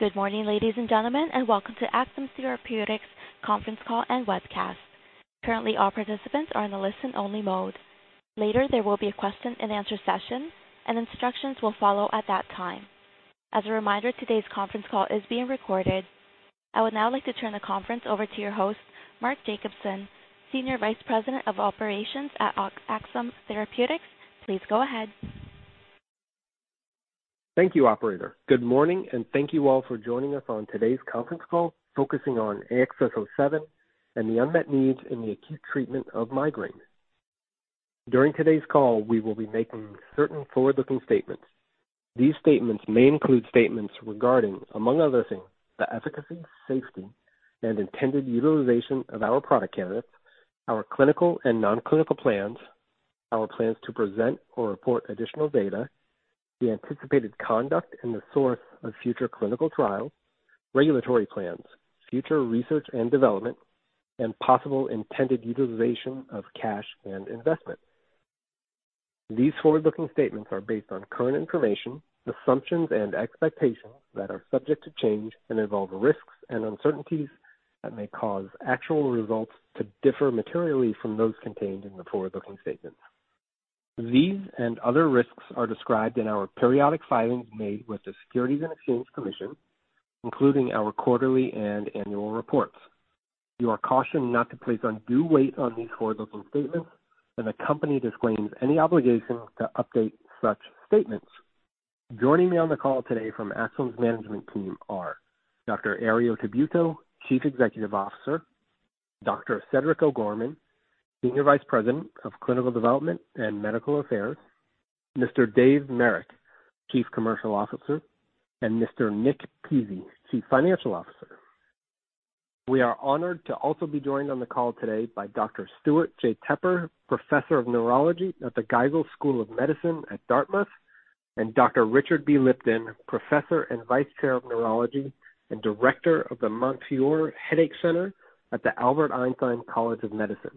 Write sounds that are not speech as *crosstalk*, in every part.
`Good morning, ladies and gentlemen, and welcome to Axsome Therapeutics conference call and webcast. Currently, all participants are in a listen-only mode. Later, there will be a question and answer session, and instructions will follow at that time. As a reminder, today's conference call is being recorded. I would now like to turn the conference over to your host, Mark Jacobson, Senior Vice President of Operations at Axsome Therapeutics. Please go ahead. Thank you, operator. Good morning. Thank you all for joining us on today's conference call focusing on AXS-07 and the unmet needs in the acute treatment of migraine. During today's call, we will be making certain forward-looking statements. These statements may include statements regarding, among other things, the efficacy, safety, and intended utilization of our product candidates, our clinical and non-clinical plans, our plans to present or report additional data, the anticipated conduct and the source of future clinical trials, regulatory plans, future research and development, and possible intended utilization of cash and investment. These forward-looking statements are based on current information, assumptions, and expectations that are subject to change and involve risks and uncertainties that may cause actual results to differ materially from those contained in the forward-looking statements. These and other risks are described in our periodic filings made with the Securities and Exchange Commission, including our quarterly and annual reports. You are cautioned not to place undue weight on these forward-looking statements, and the company disclaims any obligation to update such statements. Joining me on the call today from Axsome's management team are Dr. Herriot Tabuteau, Chief Executive Officer, Dr. Cedric O'Gorman, Senior Vice President of Clinical Development and Medical Affairs, Mr. Dave Marek, Chief Commercial Officer, and Mr. Nick Pizzie, Chief Financial Officer. We are honored to also be joined on the call today by Dr. Stewart J. Tepper, Professor of Neurology at the Geisel School of Medicine at Dartmouth, and Dr. Richard B. Lipton, Professor and Vice Chair of Neurology and Director of the Montefiore Headache Center at the Albert Einstein College of Medicine.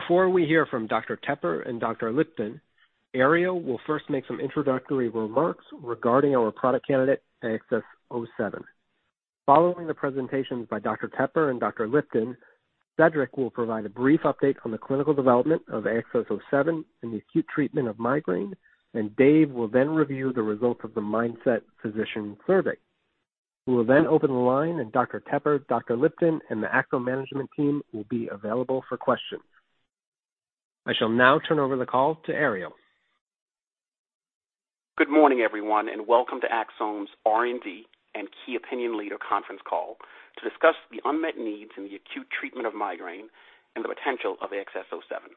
Before we hear from Dr. Tepper and Dr. Lipton, Herriot will first make some introductory remarks regarding our product candidate, AXS-07. Following the presentations by Dr. Tepper and Dr. Lipton, Cedric will provide a brief update on the clinical development of AXS-07 in the acute treatment of migraine, and Dave will then review the results of the MINDSET Physician Survey. We will open the line, and Dr. Tepper, Dr. Lipton, and the Axsome management team will be available for questions. I shall now turn over the call to Herriot. Good morning, everyone, welcome to Axsome's R&D and key opinion leader conference call to discuss the unmet needs in the acute treatment of migraine and the potential of AXS-07.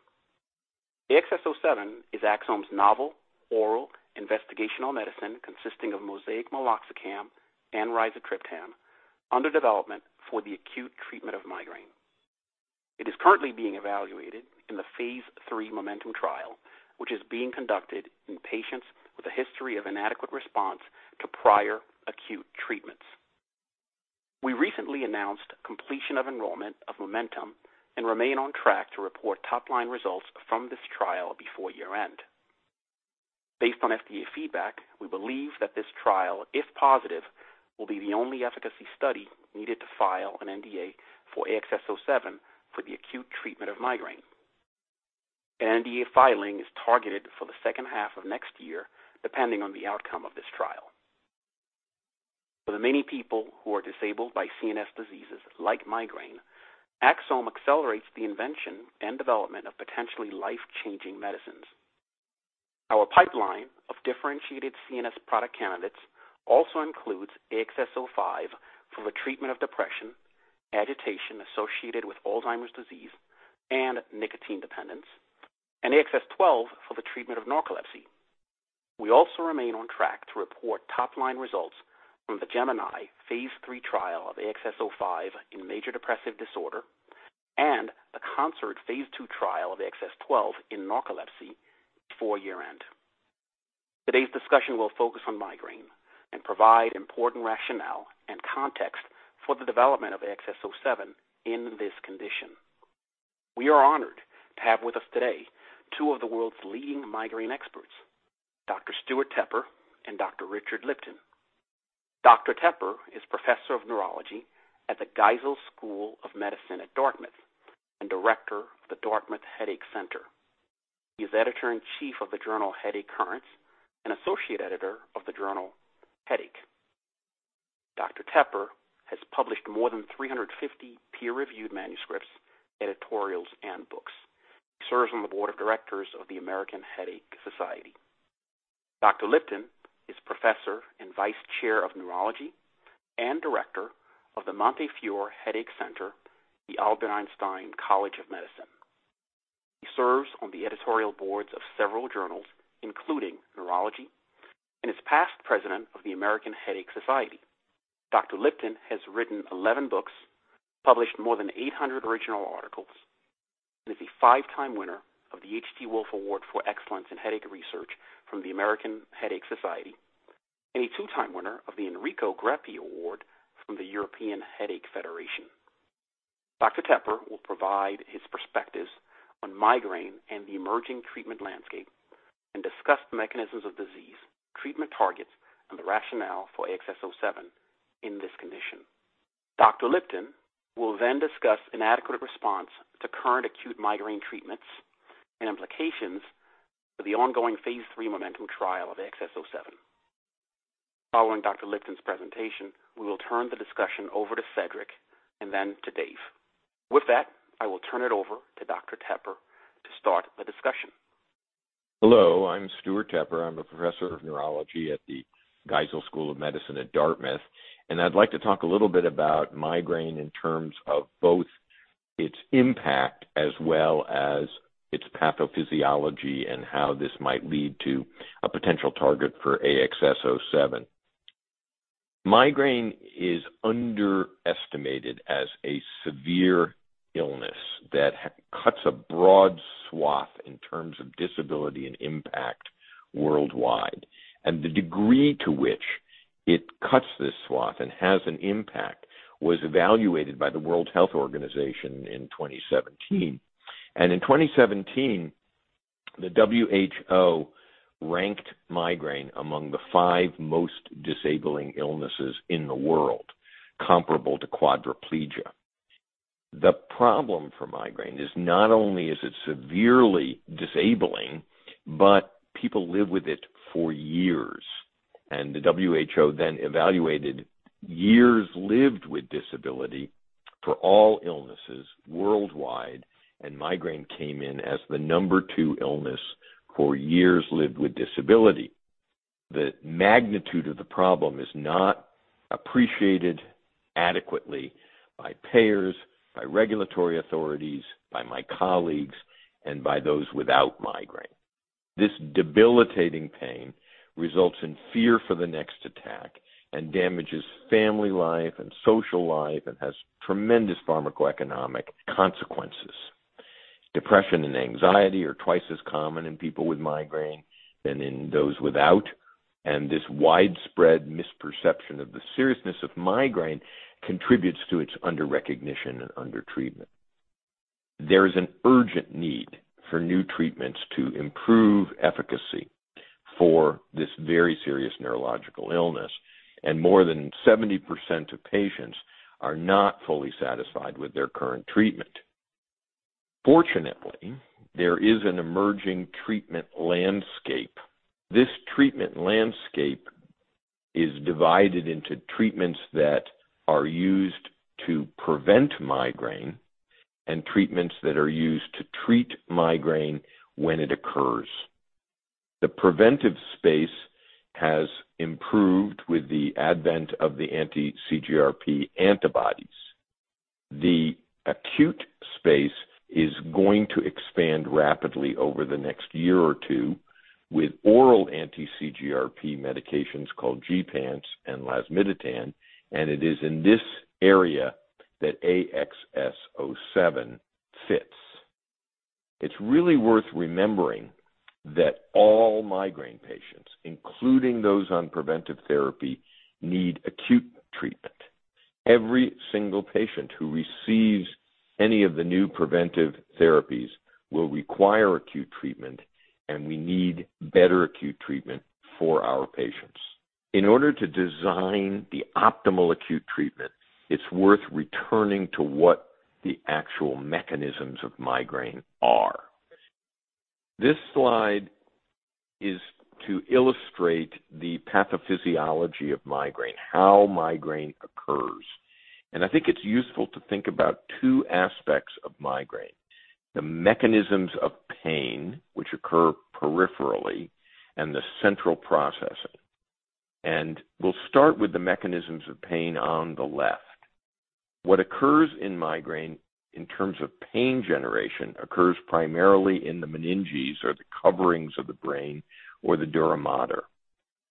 AXS-07 is Axsome's novel oral investigational medicine consisting of MoSEIC meloxicam and rizatriptan under development for the acute treatment of migraine. It is currently being evaluated in the Phase III MOMENTUM trial, which is being conducted in patients with a history of inadequate response to prior acute treatments. We recently announced completion of enrollment of MOMENTUM and remain on track to report top-line results from this trial before year-end. Based on FDA feedback, we believe that this trial, if positive, will be the only efficacy study needed to file an NDA for AXS-07 for the acute treatment of migraine. An NDA filing is targeted for the second half of next year, depending on the outcome of this trial. For the many people who are disabled by CNS diseases like migraine, Axsome accelerates the invention and development of potentially life-changing medicines. Our pipeline of differentiated CNS product candidates also includes AXS-05 for the treatment of depression, agitation associated with Alzheimer's disease, and nicotine dependence, and AXS-12 for the treatment of narcolepsy. We also remain on track to report top-line results from the GEMINI phase III trial of AXS-05 in major depressive disorder and the CONCERT phase II trial of AXS-12 in narcolepsy before year-end. Today's discussion will focus on migraine and provide important rationale and context for the development of AXS-07 in this condition. We are honored to have with us today two of the world's leading migraine experts, Dr. Stewart Tepper and Dr. Richard Lipton. Dr. Tepper is Professor of Neurology at the Geisel School of Medicine at Dartmouth and Director of the Dartmouth Headache Center. He is editor-in-chief of the journal "Headache Currents" and associate editor of the journal "Headache." Dr. Tepper has published more than 350 peer-reviewed manuscripts, editorials, and books. He serves on the board of directors of the American Headache Society. Dr. Lipton is Professor and Vice Chair of Neurology and Director of the Montefiore Headache Center, the Albert Einstein College of Medicine. He serves on the editorial boards of several journals, including "Neurology," and is past President of the American Headache Society. Dr. Lipton has written 11 books, published more than 800 original articles, and is a five-time winner of the H.G. Wolff Award for Excellence in Headache Research from the American Headache Society and a two-time winner of the Enrico Greppi Award from the European Headache Federation. Tepper will provide his perspectives on migraine and the emerging treatment landscape and discuss the mechanisms of disease, treatment targets, and the rationale for AXS-07 in this condition. Dr. Lipton will then discuss inadequate response to current acute migraine treatments and implications for the ongoing phase III MOMENTUM trial of AXS-07. Following Dr. Lipton's presentation, we will turn the discussion over to Cedric and then to Dave. With that, I will turn it over to Dr. Tepper to start the discussion. Hello, I'm Stewart Tepper. I'm a Professor of Neurology at the Geisel School of Medicine at Dartmouth, and I'd like to talk a little bit about migraine in terms of both its impact as well as its pathophysiology and how this might lead to a potential target for AXS-07. Migraine is underestimated as a severe illness that cuts a broad swath in terms of disability and impact worldwide. The degree to which it cuts this swath and has an impact was evaluated by the World Health Organization in 2017. In 2017, the WHO ranked migraine among the five most disabling illnesses in the world, comparable to quadriplegia. The problem for migraine is not only is it severely disabling, but people live with it for years. The WHO then evaluated years lived with disability for all illnesses worldwide, and migraine came in as the number two illness for years lived with disability. The magnitude of the problem is not appreciated adequately by payers, by regulatory authorities, by my colleagues, and by those without migraine. This debilitating pain results in fear for the next attack and damages family life and social life and has tremendous pharmacoeconomic consequences. Depression and anxiety are twice as common in people with migraine than in those without, and this widespread misperception of the seriousness of migraine contributes to its under-recognition and under-treatment. There is an urgent need for new treatments to improve efficacy for this very serious neurological illness, and more than 70% of patients are not fully satisfied with their current treatment. Fortunately, there is an emerging treatment landscape. This treatment landscape is divided into treatments that are used to prevent migraine and treatments that are used to treat migraine when it occurs. The preventive space has improved with the advent of the anti-CGRP antibodies. The acute space is going to expand rapidly over the next year or two with oral anti-CGRP medications called gepants and lasmiditan, and it is in this area that AXS-07 fits. It's really worth remembering that all migraine patients, including those on preventive therapy, need acute treatment. Every single patient who receives any of the new preventive therapies will require acute treatment, and we need better acute treatment for our patients. In order to design the optimal acute treatment, it's worth returning to what the actual mechanisms of migraine are. This slide is to illustrate the pathophysiology of migraine, how migraine occurs. I think it's useful to think about two aspects of migraine, the mechanisms of pain, which occur peripherally, and the central processing. We'll start with the mechanisms of pain on the left. What occurs in migraine in terms of pain generation occurs primarily in the meninges or the coverings of the brain or the dura mater,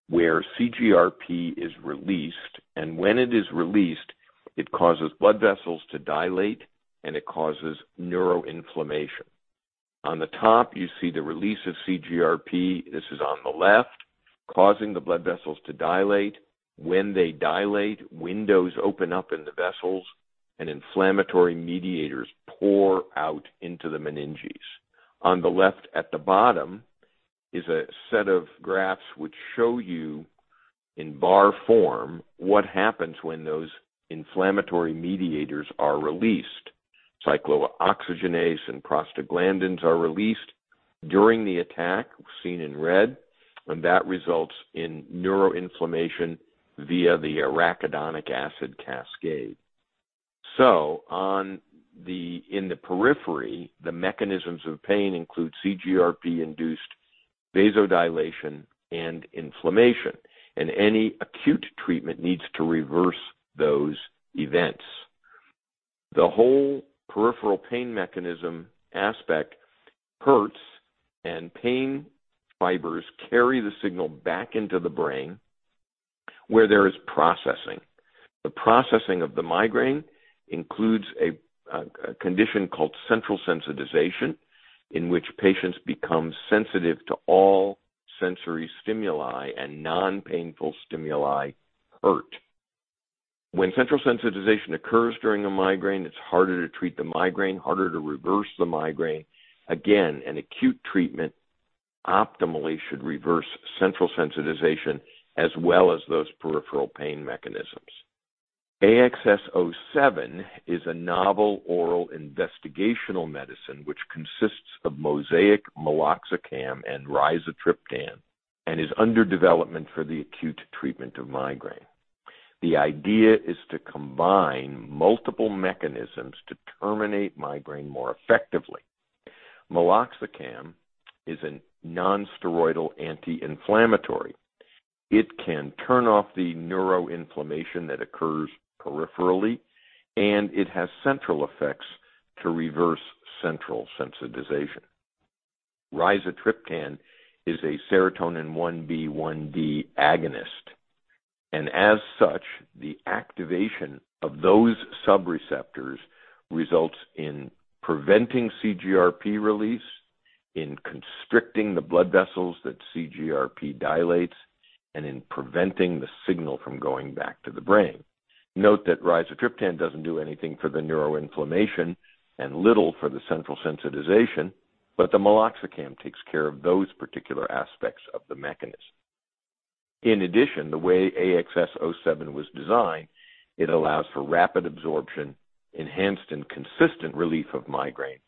where CGRP is released, and when it is released, it causes blood vessels to dilate, and it causes neuroinflammation. On the top, you see the release of CGRP, this is on the left, causing the blood vessels to dilate. When they dilate, windows open up in the vessels, and inflammatory mediators pour out into the meninges. On the left at the bottom is a set of graphs which show you in bar form what happens when those inflammatory mediators are released. Cyclooxygenase and prostaglandins are released during the attack, seen in red, that results in neuroinflammation via the arachidonic acid cascade. In the periphery, the mechanisms of pain include CGRP-induced vasodilation and inflammation, any acute treatment needs to reverse those events. The whole peripheral pain mechanism aspect hurts, and pain fibers carry the signal back into the brain, where there is processing. The processing of the migraine includes a condition called central sensitization in which patients become sensitive to all sensory stimuli, and non-painful stimuli hurt. When central sensitization occurs during a migraine, it's harder to treat the migraine, harder to reverse the migraine. Again, an acute treatment optimally should reverse central sensitization as well as those peripheral pain mechanisms. AXS-07 is a novel oral investigational medicine which consists of MoSEIC meloxicam and rizatriptan, is under development for the acute treatment of migraine. The idea is to combine multiple mechanisms to terminate migraine more effectively. meloxicam is a non-steroidal anti-inflammatory. It can turn off the neuroinflammation that occurs peripherally, and it has central effects to reverse central sensitization. Rizatriptan is a serotonin 1B/1D agonist, and as such, the activation of those sub-receptors results in preventing CGRP release, in constricting the blood vessels that CGRP dilates, and in preventing the signal from going back to the brain. Note that rizatriptan doesn't do anything for the neuroinflammation and little for the central sensitization, but the meloxicam takes care of those particular aspects of the mechanism. In addition, the way AXS-07 was designed, it allows for rapid absorption, enhanced and consistent relief of migraine,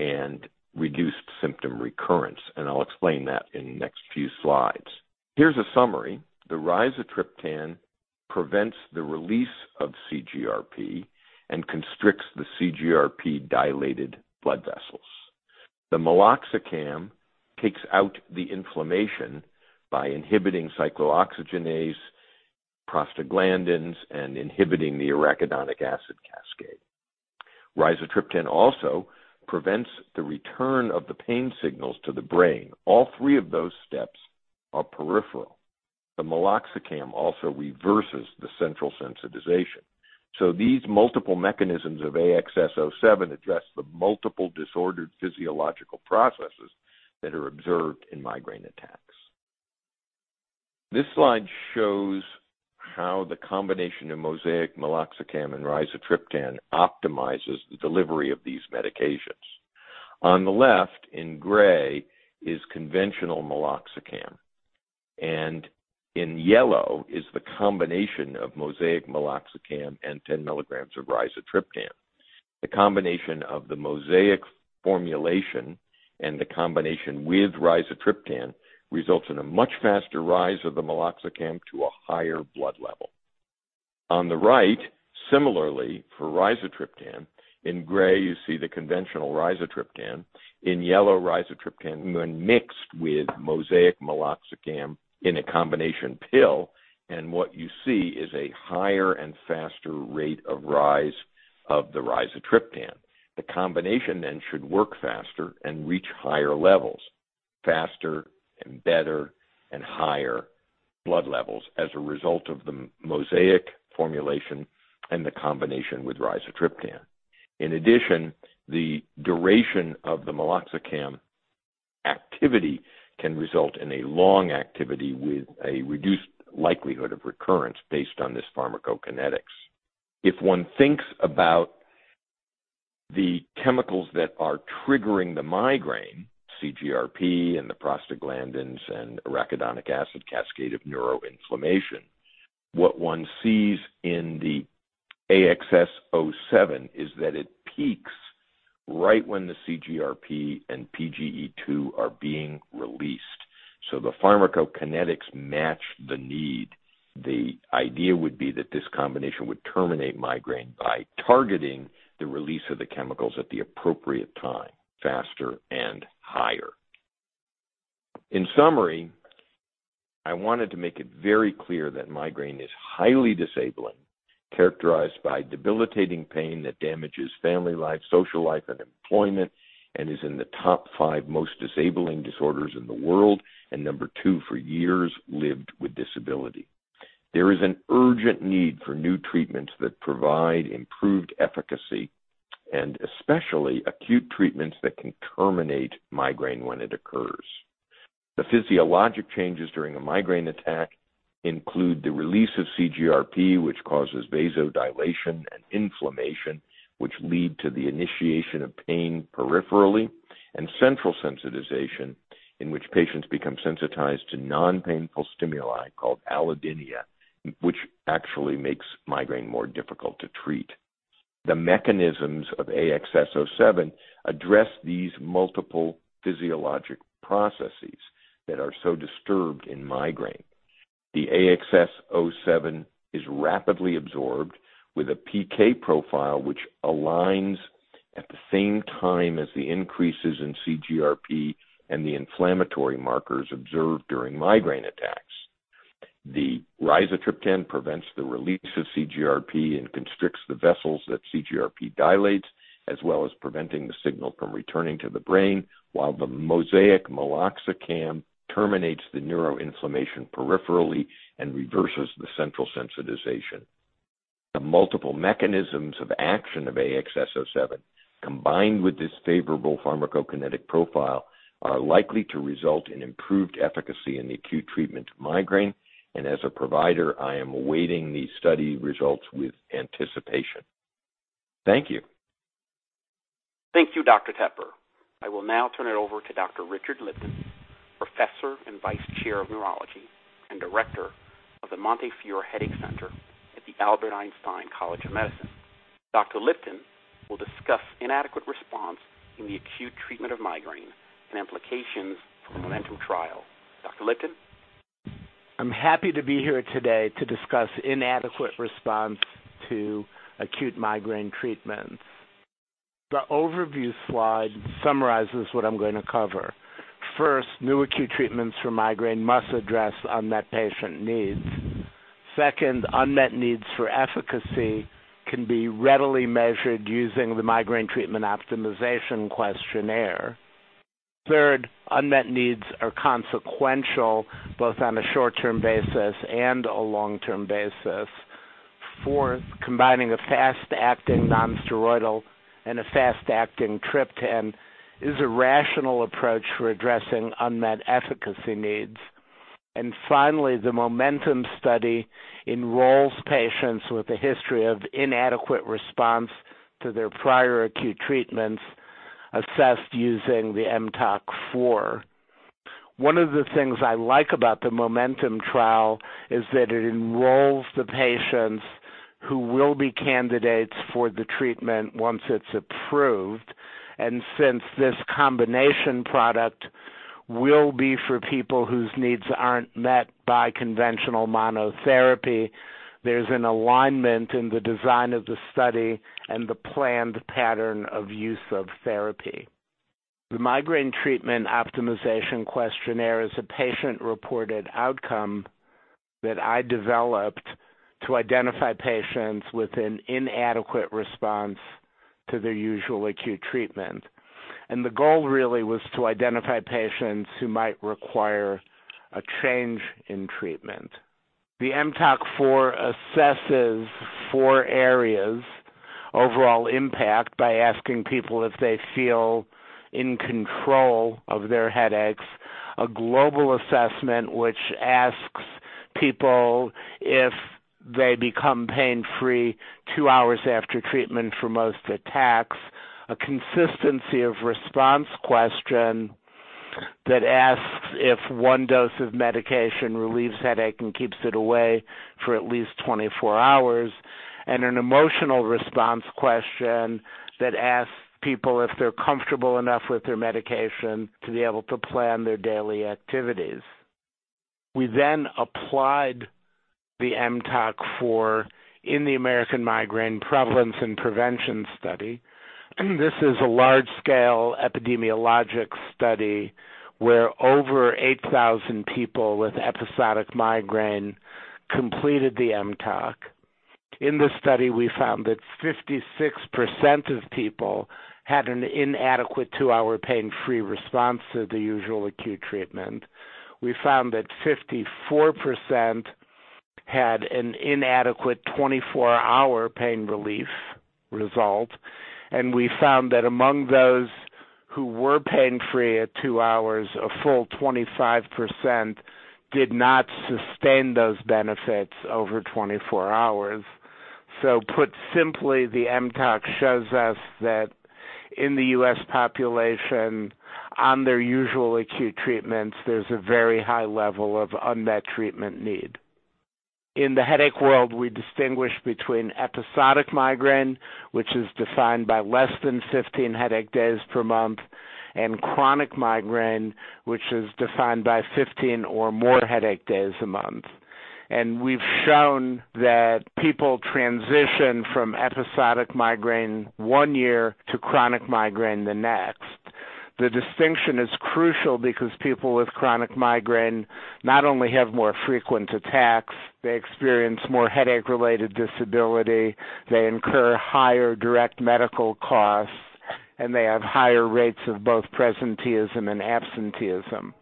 and reduced symptom recurrence, and I'll explain that in the next few slides. Here's a summary. The rizatriptan prevents the release of CGRP and constricts the CGRP dilated blood vessels. The meloxicam takes out the inflammation by inhibiting cyclooxygenase, prostaglandins, and inhibiting the arachidonic acid cascade. Rizatriptan also prevents the return of the pain signals to the brain. All three of those steps are peripheral. The meloxicam also reverses the central sensitization. These multiple mechanisms of AXS-07 address the multiple disordered physiological processes that are observed in migraine attacks. This slide shows how the combination of MoSEIC meloxicam and rizatriptan optimizes the delivery of these medications. On the left, in gray, is conventional meloxicam, and in yellow is the combination of MoSEIC meloxicam and 10 milligrams of rizatriptan. The combination of the MoSEIC formulation and the combination with rizatriptan results in a much faster rise of the meloxicam to a higher blood level. On the right, similarly for rizatriptan, in gray you see the conventional rizatriptan. In yellow, rizatriptan when mixed with MoSEIC meloxicam in a combination pill, what you see is a higher and faster rate of rise of the rizatriptan. The combination should work faster and reach higher levels, faster and better and higher blood levels as a result of the MoSEIC formulation and the combination with rizatriptan. In addition, the duration of the meloxicam activity can result in a long activity with a reduced likelihood of recurrence based on this pharmacokinetics. If one thinks about the chemicals that are triggering the migraine, CGRP and the prostaglandins and arachidonic acid cascade of neuroinflammation, what one sees in the AXS-07 is that it peaks right when the CGRP and PGE2 are being released. The pharmacokinetics match the need. The idea would be that this combination would terminate migraine by targeting the release of the chemicals at the appropriate time, faster and higher. In summary, I wanted to make it very clear that migraine is highly disabling, characterized by debilitating pain that damages family life, social life, and employment, and is in the top five most disabling disorders in the world, and number two for years lived with disability. There is an urgent need for new treatments that provide improved efficacy and especially acute treatments that can terminate migraine when it occurs. The physiologic changes during a migraine attack include the release of CGRP, which causes vasodilation and inflammation, which lead to the initiation of pain peripherally and central sensitization, in which patients become sensitized to non-painful stimuli called allodynia, which actually makes migraine more difficult to treat. The mechanisms of AXS-07 address these multiple physiologic processes that are so disturbed in migraine. The AXS-07 is rapidly absorbed with a PK profile which aligns at the same time as the increases in CGRP and the inflammatory markers observed during migraine attacks. The rizatriptan prevents the release of CGRP and constricts the vessels that CGRP dilates, as well as preventing the signal from returning to the brain, while the MoSEIC meloxicam terminates the neuroinflammation peripherally and reverses the central sensitization. The multiple mechanisms of action of AXS-07, combined with this favorable pharmacokinetic profile, are likely to result in improved efficacy in the acute treatment of migraine. As a provider, I am awaiting the study results with anticipation. Thank you. Thank you, Dr. Tepper. I will now turn it over to Dr. Richard Lipton, Professor and Vice Chair of Neurology and Director of the Montefiore Headache Center at the Albert Einstein College of Medicine. Dr. Lipton will discuss inadequate response in the acute treatment of migraine and implications for the MOMENTUM trial. Dr. Lipton? I'm happy to be here today to discuss inadequate response to acute migraine treatments. The overview slide summarizes what I'm going to cover. First, new acute treatments for migraine must address unmet patient needs. Second, unmet needs for efficacy can be readily measured using the Migraine Treatment Optimization Questionnaire. Third, unmet needs are consequential, both on a short-term basis and a long-term basis. Fourth, combining a fast-acting nonsteroidal and a fast-acting triptan is a rational approach for addressing unmet efficacy needs. Finally, the MOMENTUM study enrolls patients with a history of inadequate response to their prior acute treatments, assessed using the mTOQ-4. One of the things I like about the MOMENTUM trial is that it enrolls the patients who will be candidates for the treatment once it's approved. Since this combination product will be for people whose needs aren't met by conventional monotherapy, there's an alignment in the design of the study and the planned pattern of use of therapy. The Migraine Treatment Optimization Questionnaire is a patient-reported outcome that I developed to identify patients with an inadequate response to their usual acute treatment. The goal really was to identify patients who might require a change in treatment. The mTOQ-4 assesses four areas. Overall impact by asking people if they feel in control of their headaches. A global assessment, which asks people if they become pain-free two hours after treatment for most attacks. A consistency of response question that asks if one dose of medication relieves headache and keeps it away for at least 24 hours. An emotional response question that asks people if they're comfortable enough with their medication to be able to plan their daily activities. We applied the mTOQ-4 in the American Migraine Prevalence and Prevention Study. This is a large-scale epidemiologic study where over 8,000 people with episodic migraine completed the mTOQ. In the study, we found that 56% of people had an inadequate two-hour pain-free response to the usual acute treatment. We found that 54% had an inadequate 24-hour pain relief result. We found that among those who were pain-free at two hours, a full 25% did not sustain those benefits over 24 hours. Put simply, the mTOQ shows us that in the U.S. population, on their usual acute treatments, there's a very high level of unmet treatment need. In the headache world, we distinguish between episodic migraine, which is defined by less than 15 headache days per month, and chronic migraine, which is defined by 15 or more headache days a month. We've shown that people transition from episodic migraine one year to chronic migraine the next. The distinction is crucial because people with chronic migraine not only have more frequent attacks, they experience more headache-related disability, they incur higher direct medical costs, and they have higher rates of both presenteeism and absenteeism.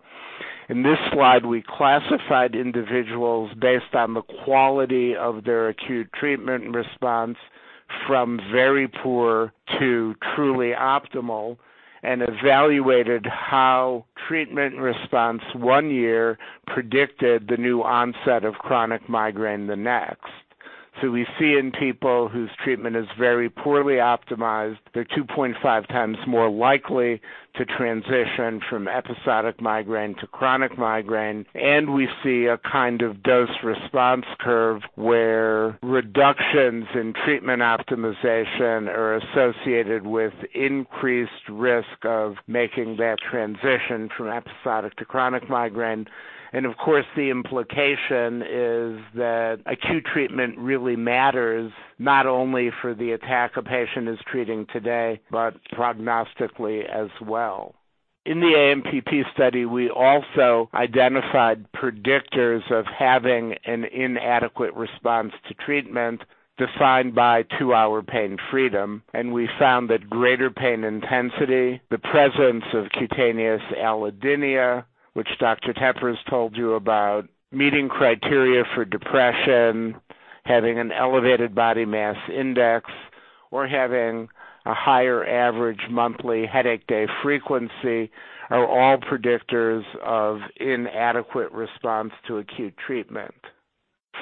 In this slide, we classified individuals based on the quality of their acute treatment response from very poor to truly optimal, and evaluated how treatment response one year predicted the new onset of chronic migraine the next. We see in people whose treatment is very poorly optimized, they're 2.5 times more likely to transition from episodic migraine to chronic migraine. And we see a kind of dose response curve where reductions in treatment optimization are associated with increased risk of making that transition from episodic to chronic migraine. Of course, the implication is that acute treatment really matters, not only for the attack a patient is treating today, but prognostically as well. In the AMPP study, we also identified predictors of having an inadequate response to treatment defined by two-hour pain freedom, and we found that greater pain intensity, the presence of cutaneous allodynia, which Dr. Tepper's told you about, meeting criteria for depression, having an elevated body mass index or having a higher average monthly headache day frequency are all predictors of inadequate response to acute treatment.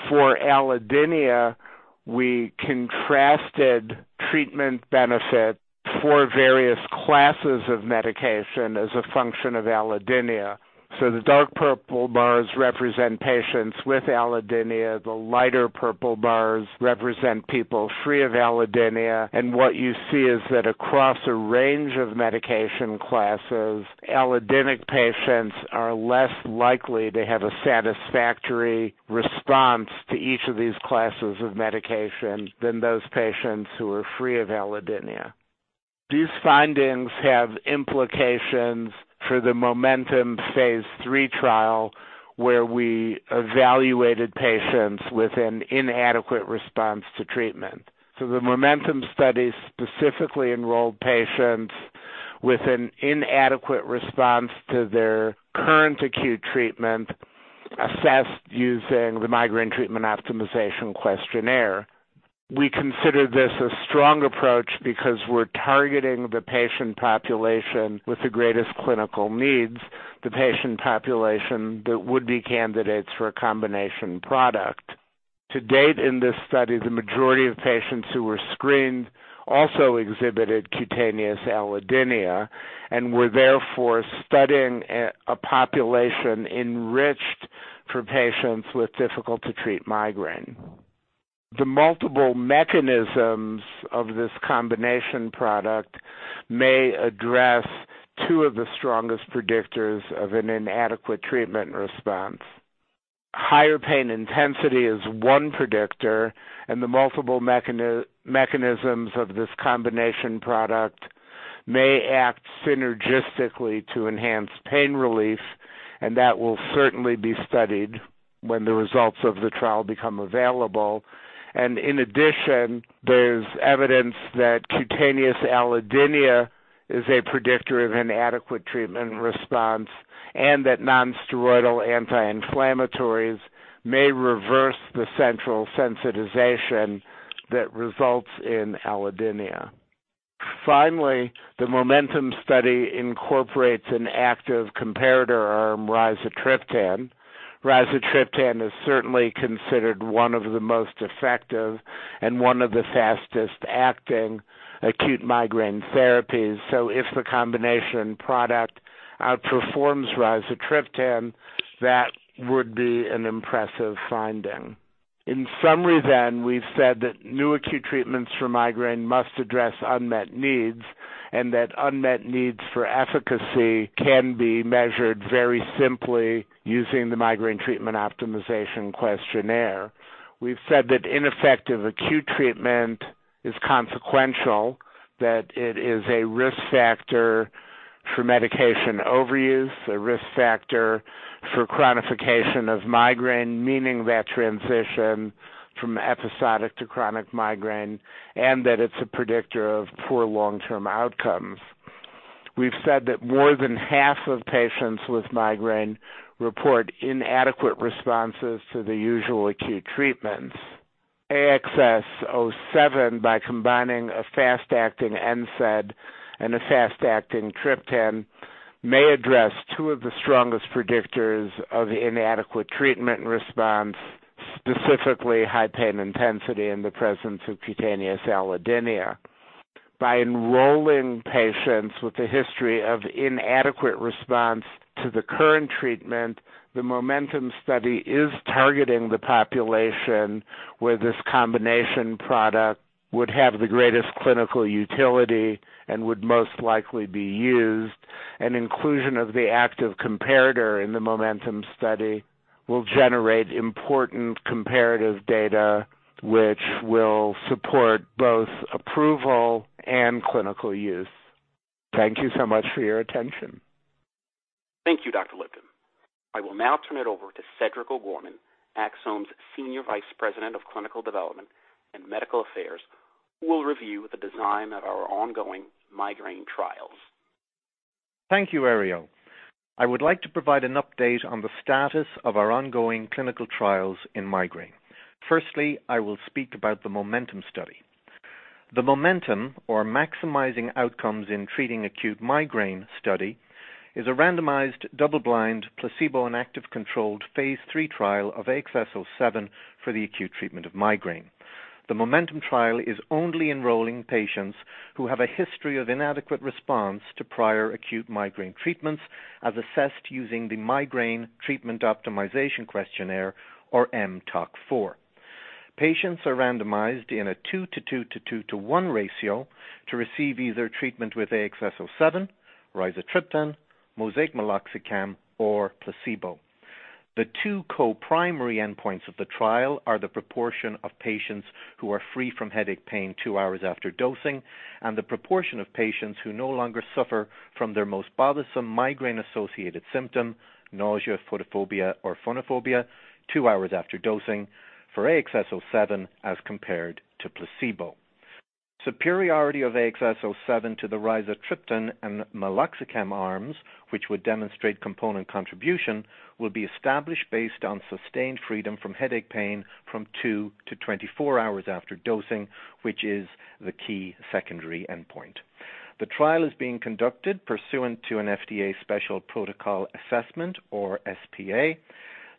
For allodynia, we contrasted treatment benefit for various classes of medication as a function of allodynia. The dark purple bars represent patients with allodynia. The lighter purple bars represent people free of allodynia. What you see is that across a range of medication classes, allodynic patients are less likely to have a satisfactory response to each of these classes of medication than those patients who are free of allodynia. These findings have implications for the MOMENTUM Phase III trial, where we evaluated patients with an inadequate response to treatment. The MOMENTUM study specifically enrolled patients with an inadequate response to their current acute treatment, assessed using the Migraine Treatment Optimization Questionnaire. We consider this a strong approach because we're targeting the patient population with the greatest clinical needs, the patient population that would be candidates for a combination product. To date in this study, the majority of patients who were screened also exhibited cutaneous allodynia and were therefore studying a population enriched for patients with difficult-to-treat migraine. The multiple mechanisms of this combination product may address two of the strongest predictors of an inadequate treatment response. Higher pain intensity is one predictor, and the multiple mechanisms of this combination product may act synergistically to enhance pain relief, and that will certainly be studied when the results of the trial become available. In addition, there's evidence that cutaneous allodynia is a predictor of inadequate treatment response and that non-steroidal anti-inflammatories may reverse the central sensitization that results in allodynia. Finally, the MOMENTUM study incorporates an active comparator arm, rizatriptan. Rizatriptan is certainly considered one of the most effective and one of the fastest-acting acute migraine therapies. If the combination product outperforms rizatriptan, that would be an impressive finding. In summary then, we've said that new acute treatments for migraine must address unmet needs and that unmet needs for efficacy can be measured very simply using the Migraine Treatment Optimization Questionnaire. We've said that ineffective acute treatment is consequential, that it is a risk factor for medication overuse, a risk factor for chronification of migraine, meaning that transition from episodic to chronic migraine, and that it's a predictor of poor long-term outcomes. We've said that more than half of patients with migraine report inadequate responses to the usual acute treatments. AXS-07, by combining a fast-acting NSAID and a fast-acting triptan, may address two of the strongest predictors of inadequate treatment response, specifically high pain intensity and the presence of cutaneous allodynia. By enrolling patients with a history of inadequate response to the current treatment, the MOMENTUM study is targeting the population where this combination product would have the greatest clinical utility and would most likely be used. Inclusion of the active comparator in the MOMENTUM study will generate important comparative data which will support both approval and clinical use. Thank you so much for your attention. Thank you, Dr. Lipton. I will now turn it over to Cedric O'Gorman, Axsome's Senior Vice President of Clinical Development and Medical Affairs, who will review the design of our ongoing migraine trials. Thank you, Herriot. I would like to provide an update on the status of our ongoing clinical trials in migraine. Firstly, I will speak about the MOMENTUM study. The MOMENTUM, or Maximizing Outcomes in Treating Acute Migraine study, is a randomized, double-blind, placebo and active-controlled phase III trial of AXS-07 for the acute treatment of migraine. The MOMENTUM trial is only enrolling patients who have a history of inadequate response to prior acute migraine treatments as assessed using the Migraine Treatment Optimization Questionnaire, or mTOQ-4. Patients are randomized in a two to two to two to one ratio to receive either treatment with AXS-07, rizatriptan, MoSEIC meloxicam, or placebo. The two co-primary endpoints of the trial are the proportion of patients who are free from headache pain two hours after dosing and the proportion of patients who no longer suffer from their most bothersome migraine-associated symptom, nausea, photophobia, or phonophobia, two hours after dosing for AXS-07 as compared to placebo. Superiority of AXS-07 to the rizatriptan and meloxicam arms, which would demonstrate component contribution, will be established based on sustained freedom from headache pain from two to 24 hours after dosing, which is the key secondary endpoint. The trial is being conducted pursuant to an FDA Special Protocol Assessment or SPA.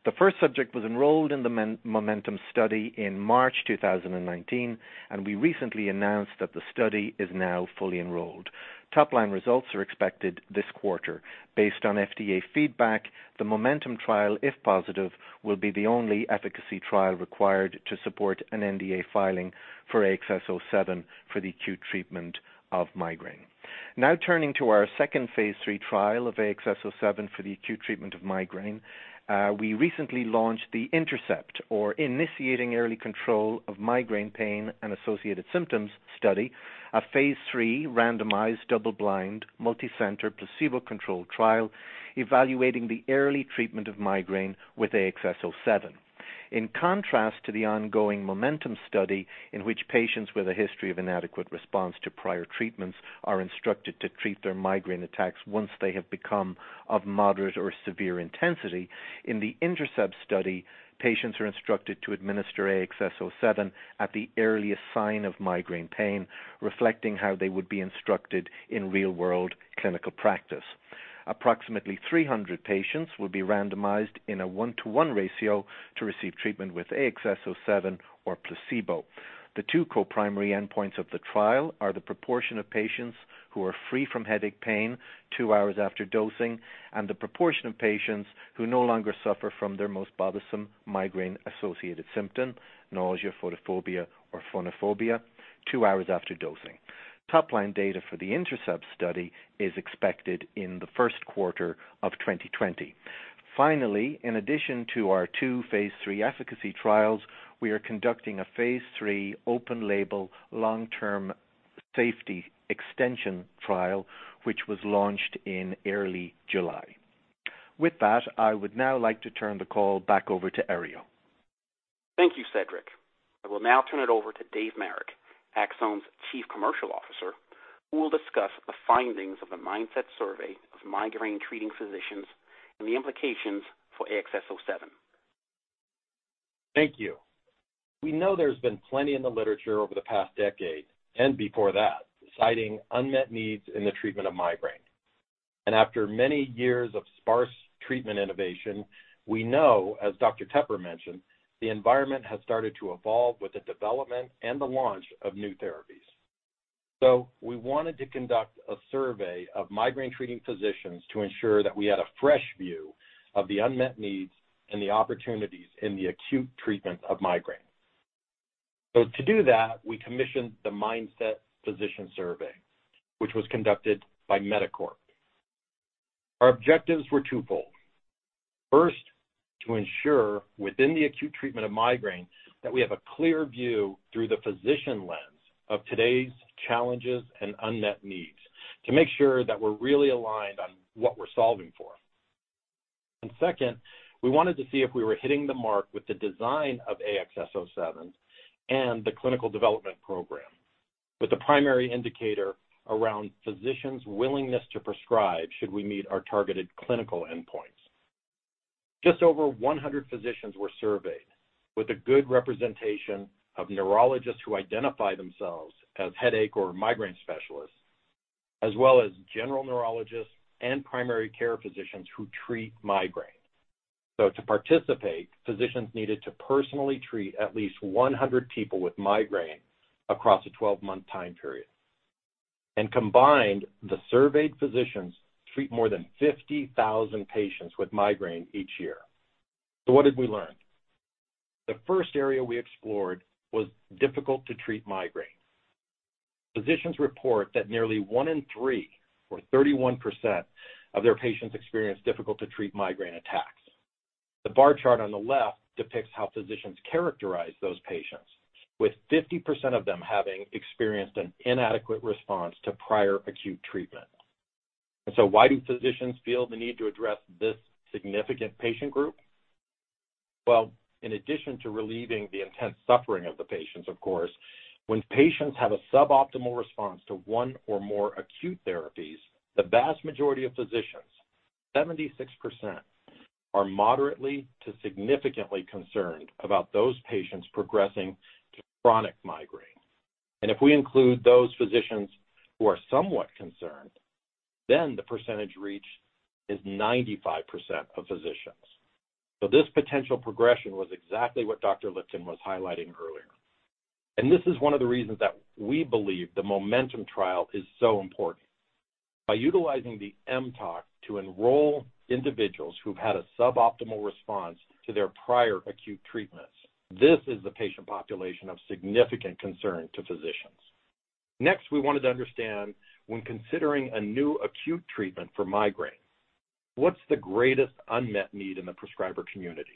The first subject was enrolled in the MOMENTUM study in March 2019. We recently announced that the study is now fully enrolled. Topline results are expected this quarter. Based on FDA feedback, the MOMENTUM trial, if positive, will be the only efficacy trial required to support an NDA filing for AXS-07 for the acute treatment of migraine. Turning to our second phase III trial of AXS-07 for the acute treatment of migraine. We recently launched the INTERCEPT, or Initiating Early Control of Migraine Pain and Associated Symptoms Study, a phase III randomized, double-blind, multicenter, placebo-controlled trial evaluating the early treatment of migraine with AXS-07. In contrast to the ongoing MOMENTUM study, in which patients with a history of inadequate response to prior treatments are instructed to treat their migraine attacks once they have become of moderate or severe intensity. In the INTERCEPT study, patients are instructed to administer AXS-07 at the earliest sign of migraine pain, reflecting how they would be instructed in real-world clinical practice. Approximately 300 patients will be randomized in a one-to-one ratio to receive treatment with AXS-07 or placebo. The two co-primary endpoints of the trial are the proportion of patients who are free from headache pain two hours after dosing and the proportion of patients who no longer suffer from their most bothersome migraine-associated symptom, nausea, photophobia, or phonophobia two hours after dosing. Topline data for the INTERCEPT study is expected in the first quarter of 2020. In addition to our two phase III efficacy trials, we are conducting a phase III open label long-term safety extension trial, which was launched in early July. With that, I would now like to turn the call back over to Herriot. Thank you, Cedric. I will now turn it over to Dave Marek, Axsome's Chief Commercial Officer, who will discuss the findings of the MINDSET Survey of migraine treating physicians and the implications for AXS-07. Thank you. We know there's been plenty in the literature over the past decade and before that, citing unmet needs in the treatment of migraine. After many years of sparse treatment innovation, we know, as Dr. Tepper mentioned, the environment has started to evolve with the development and the launch of new therapies. We wanted to conduct a survey of migraine treating physicians to ensure that we had a fresh view of the unmet needs and the opportunities in the acute treatment of migraine. To do that, we commissioned the MINDSET Physician Survey, which was conducted by MediCorp. Our objectives were two fold. First, to ensure within the acute treatment of migraine that we have a clear view through the physician lens of today's challenges and unmet needs to make sure that we're really aligned on what we're solving for. Second, we wanted to see if we were hitting the mark with the design of AXS-07 and the clinical development program with the primary indicator around physicians' willingness to prescribe should we meet our targeted clinical endpoints. Just over 100 physicians were surveyed with a good representation of neurologists who identify themselves as headache or migraine specialists, as well as general neurologists and primary care physicians who treat migraine. To participate, physicians needed to personally treat at least 100 people with migraine across a 12-month time period. Combined, the surveyed physicians treat more than 50,000 patients with migraine each year. What did we learn? The first area we explored was difficult to treat migraine. Physicians report that nearly one in three, or 31%, of their patients experience difficult-to-treat migraine attacks. The bar chart on the left depicts how physicians characterize those patients, with 50% of them having experienced an inadequate response to prior acute treatment. Why do physicians feel the need to address this significant patient group? Well, in addition to relieving the intense suffering of the patients, of course, when patients have a suboptimal response to one or more acute therapies, the vast majority of physicians, 76%, are moderately to significantly concerned about those patients progressing to chronic migraine. If we include those physicians who are somewhat concerned, then the percentage reach is 95% of physicians. This potential progression was exactly what Dr. Lipton was highlighting earlier. This is one of the reasons that we believe the MOMENTUM trial is so important. By utilizing the mTOQ to enroll individuals who've had a suboptimal response to their prior acute treatments, this is the patient population of significant concern to physicians. We wanted to understand when considering a new acute treatment for migraine, what's the greatest unmet need in the prescriber community?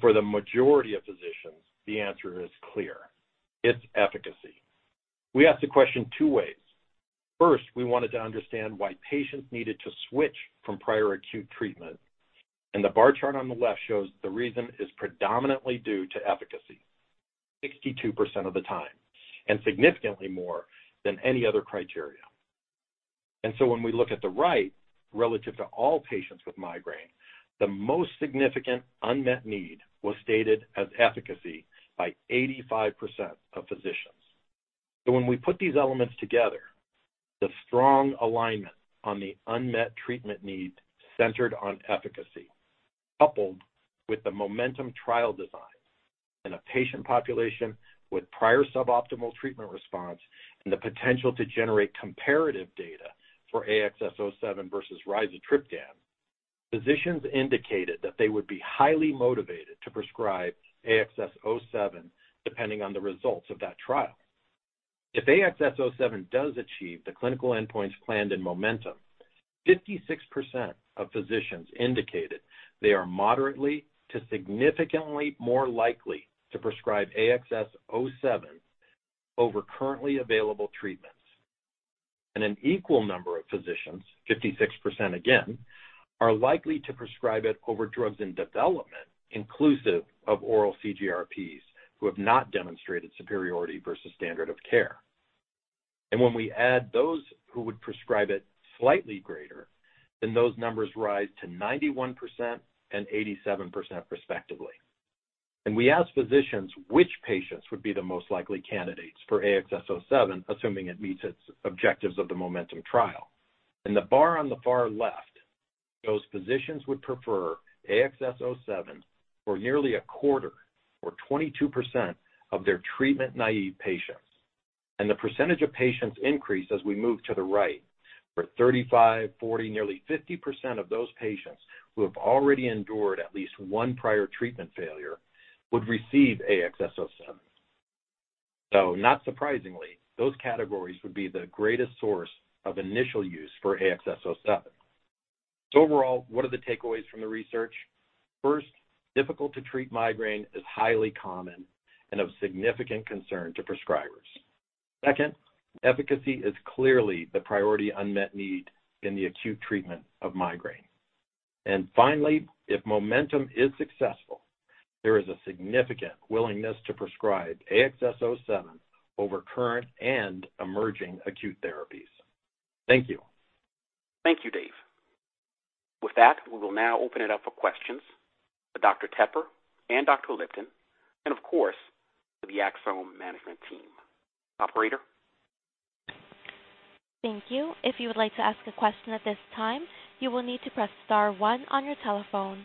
For the majority of physicians, the answer is clear. It's efficacy. We asked the question two ways. First, we wanted to understand why patients needed to switch from prior acute treatment, and the bar chart on the left shows the reason is predominantly due to efficacy 62% of the time, and significantly more than any other criteria. When we look at the right, relative to all patients with migraine, the most significant unmet need was stated as efficacy by 85% of physicians. When we put these elements together, the strong alignment on the unmet treatment need centered on efficacy, coupled with the MOMENTUM trial design in a patient population with prior suboptimal treatment response and the potential to generate comparative data for AXS-07 versus rizatriptan, physicians indicated that they would be highly motivated to prescribe AXS-07 depending on the results of that trial. If AXS-07 does achieve the clinical endpoints planned in MOMENTUM, 56% of physicians indicated they are moderately to significantly more likely to prescribe AXS-07 over currently available treatments. An equal number of physicians, 56% again, are likely to prescribe it over drugs in development, inclusive of oral CGRPs who have not demonstrated superiority versus standard of care. When we add those who would prescribe it slightly greater, then those numbers rise to 91% and 87% respectively. We asked physicians which patients would be the most likely candidates for AXS-07, assuming it meets its objectives of the MOMENTUM trial. In the bar on the far left, those physicians would prefer AXS-07 for nearly a quarter or 22% of their treatment-naive patients. The percentage of patients increase as we move to the right, where 35%, 40%, nearly 50% of those patients who have already endured at least one prior treatment failure would receive AXS-07. Not surprisingly, those categories would be the greatest source of initial use for AXS-07. Overall, what are the takeaways from the research? First, difficult-to-treat migraine is highly common and of significant concern to prescribers. Second, efficacy is clearly the priority unmet need in the acute treatment of migraine. Finally, if MOMENTUM is successful, there is a significant willingness to prescribe AXS-07 over current and emerging acute therapies. Thank you. Thank you, Dave. With that, we will now open it up for questions for Dr. Tepper and Dr. Lipton, and of course, for the Axsome management team. Operator. Thank you. If you would like to ask a question at this time, you will need to press star one on your telephone.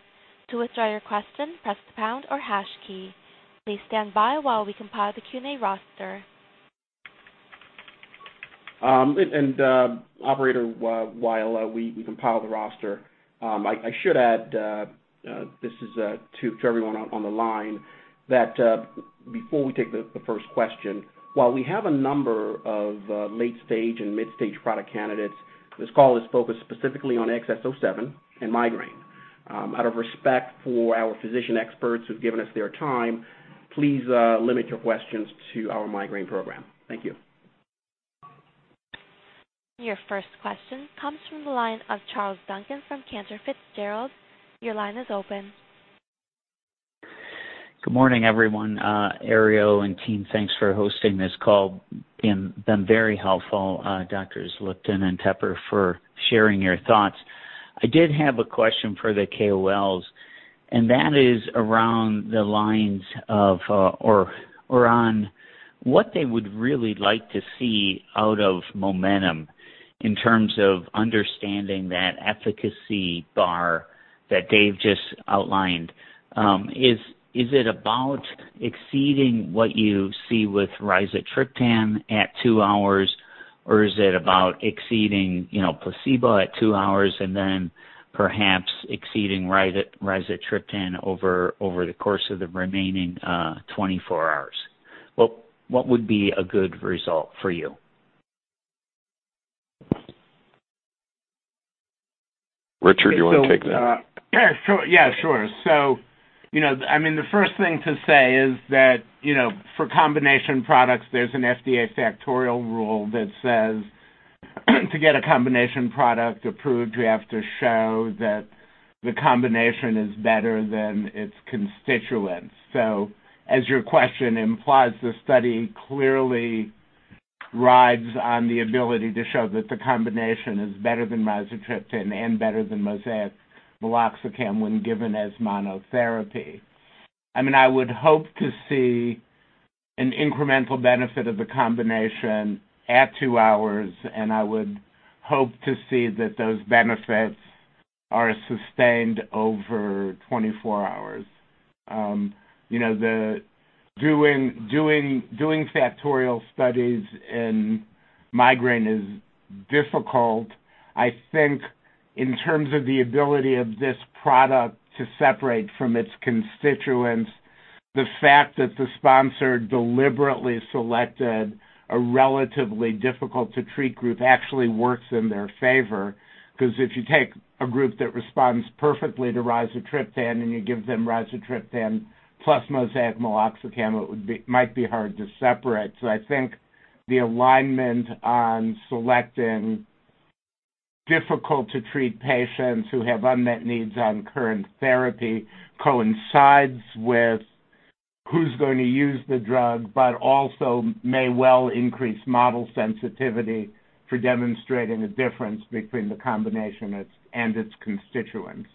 To withdraw your question, press the pound or hash key. Please stand by while we compile the Q&A roster. Operator, while we compile the roster, I should add, this is to everyone on the line, that before we take the first question, while we have a number of late-stage and mid-stage product candidates, this call is focused specifically on AXS-07 and migraine. Out of respect for our physician experts who've given us their time, please limit your questions to our migraine program. Thank you. Your first question comes from the line of Charles Duncan from Cantor Fitzgerald. Your line is open. Good morning, everyone. Herriot and team, thanks for hosting this call and been very helpful, Drs. Lipton and Tepper, for sharing your thoughts. I did have a question for the KOLs, and that is around the lines of or on what they would really like to see out of MOMENTUM in terms of understanding that efficacy bar that Dave just outlined. Is it about exceeding what you see with rizatriptan at two hours, or is it about exceeding placebo at two hours and then perhaps exceeding rizatriptan over the course of the remaining 24 hours? What would be a good result for you? Richard, you want to take that? Sure. The first thing to say is that for combination products, there's an FDA factorial rule that says to get a combination product approved, you have to show that the combination is better than its constituents. As your question implies, the study clearly rides on the ability to show that the combination is better than rizatriptan and better than MoSEIC meloxicam when given as monotherapy. I would hope to see an incremental benefit of the combination at two hours, and I would hope to see that those benefits are sustained over 24 hours. Doing factorial studies in migraine is difficult. I think in terms of the ability of this product to separate from its constituents, the fact that the sponsor deliberately selected a relatively difficult-to-treat group actually works in their favor because if you take a group that responds perfectly to rizatriptan and you give them rizatriptan plus MoSEIC meloxicam, it might be hard to separate. I think the alignment on selecting difficult-to-treat patients who have unmet needs on current therapy coincides with. Who's going to use the drug, but also may well increase model sensitivity for demonstrating a difference between the combination and its constituents.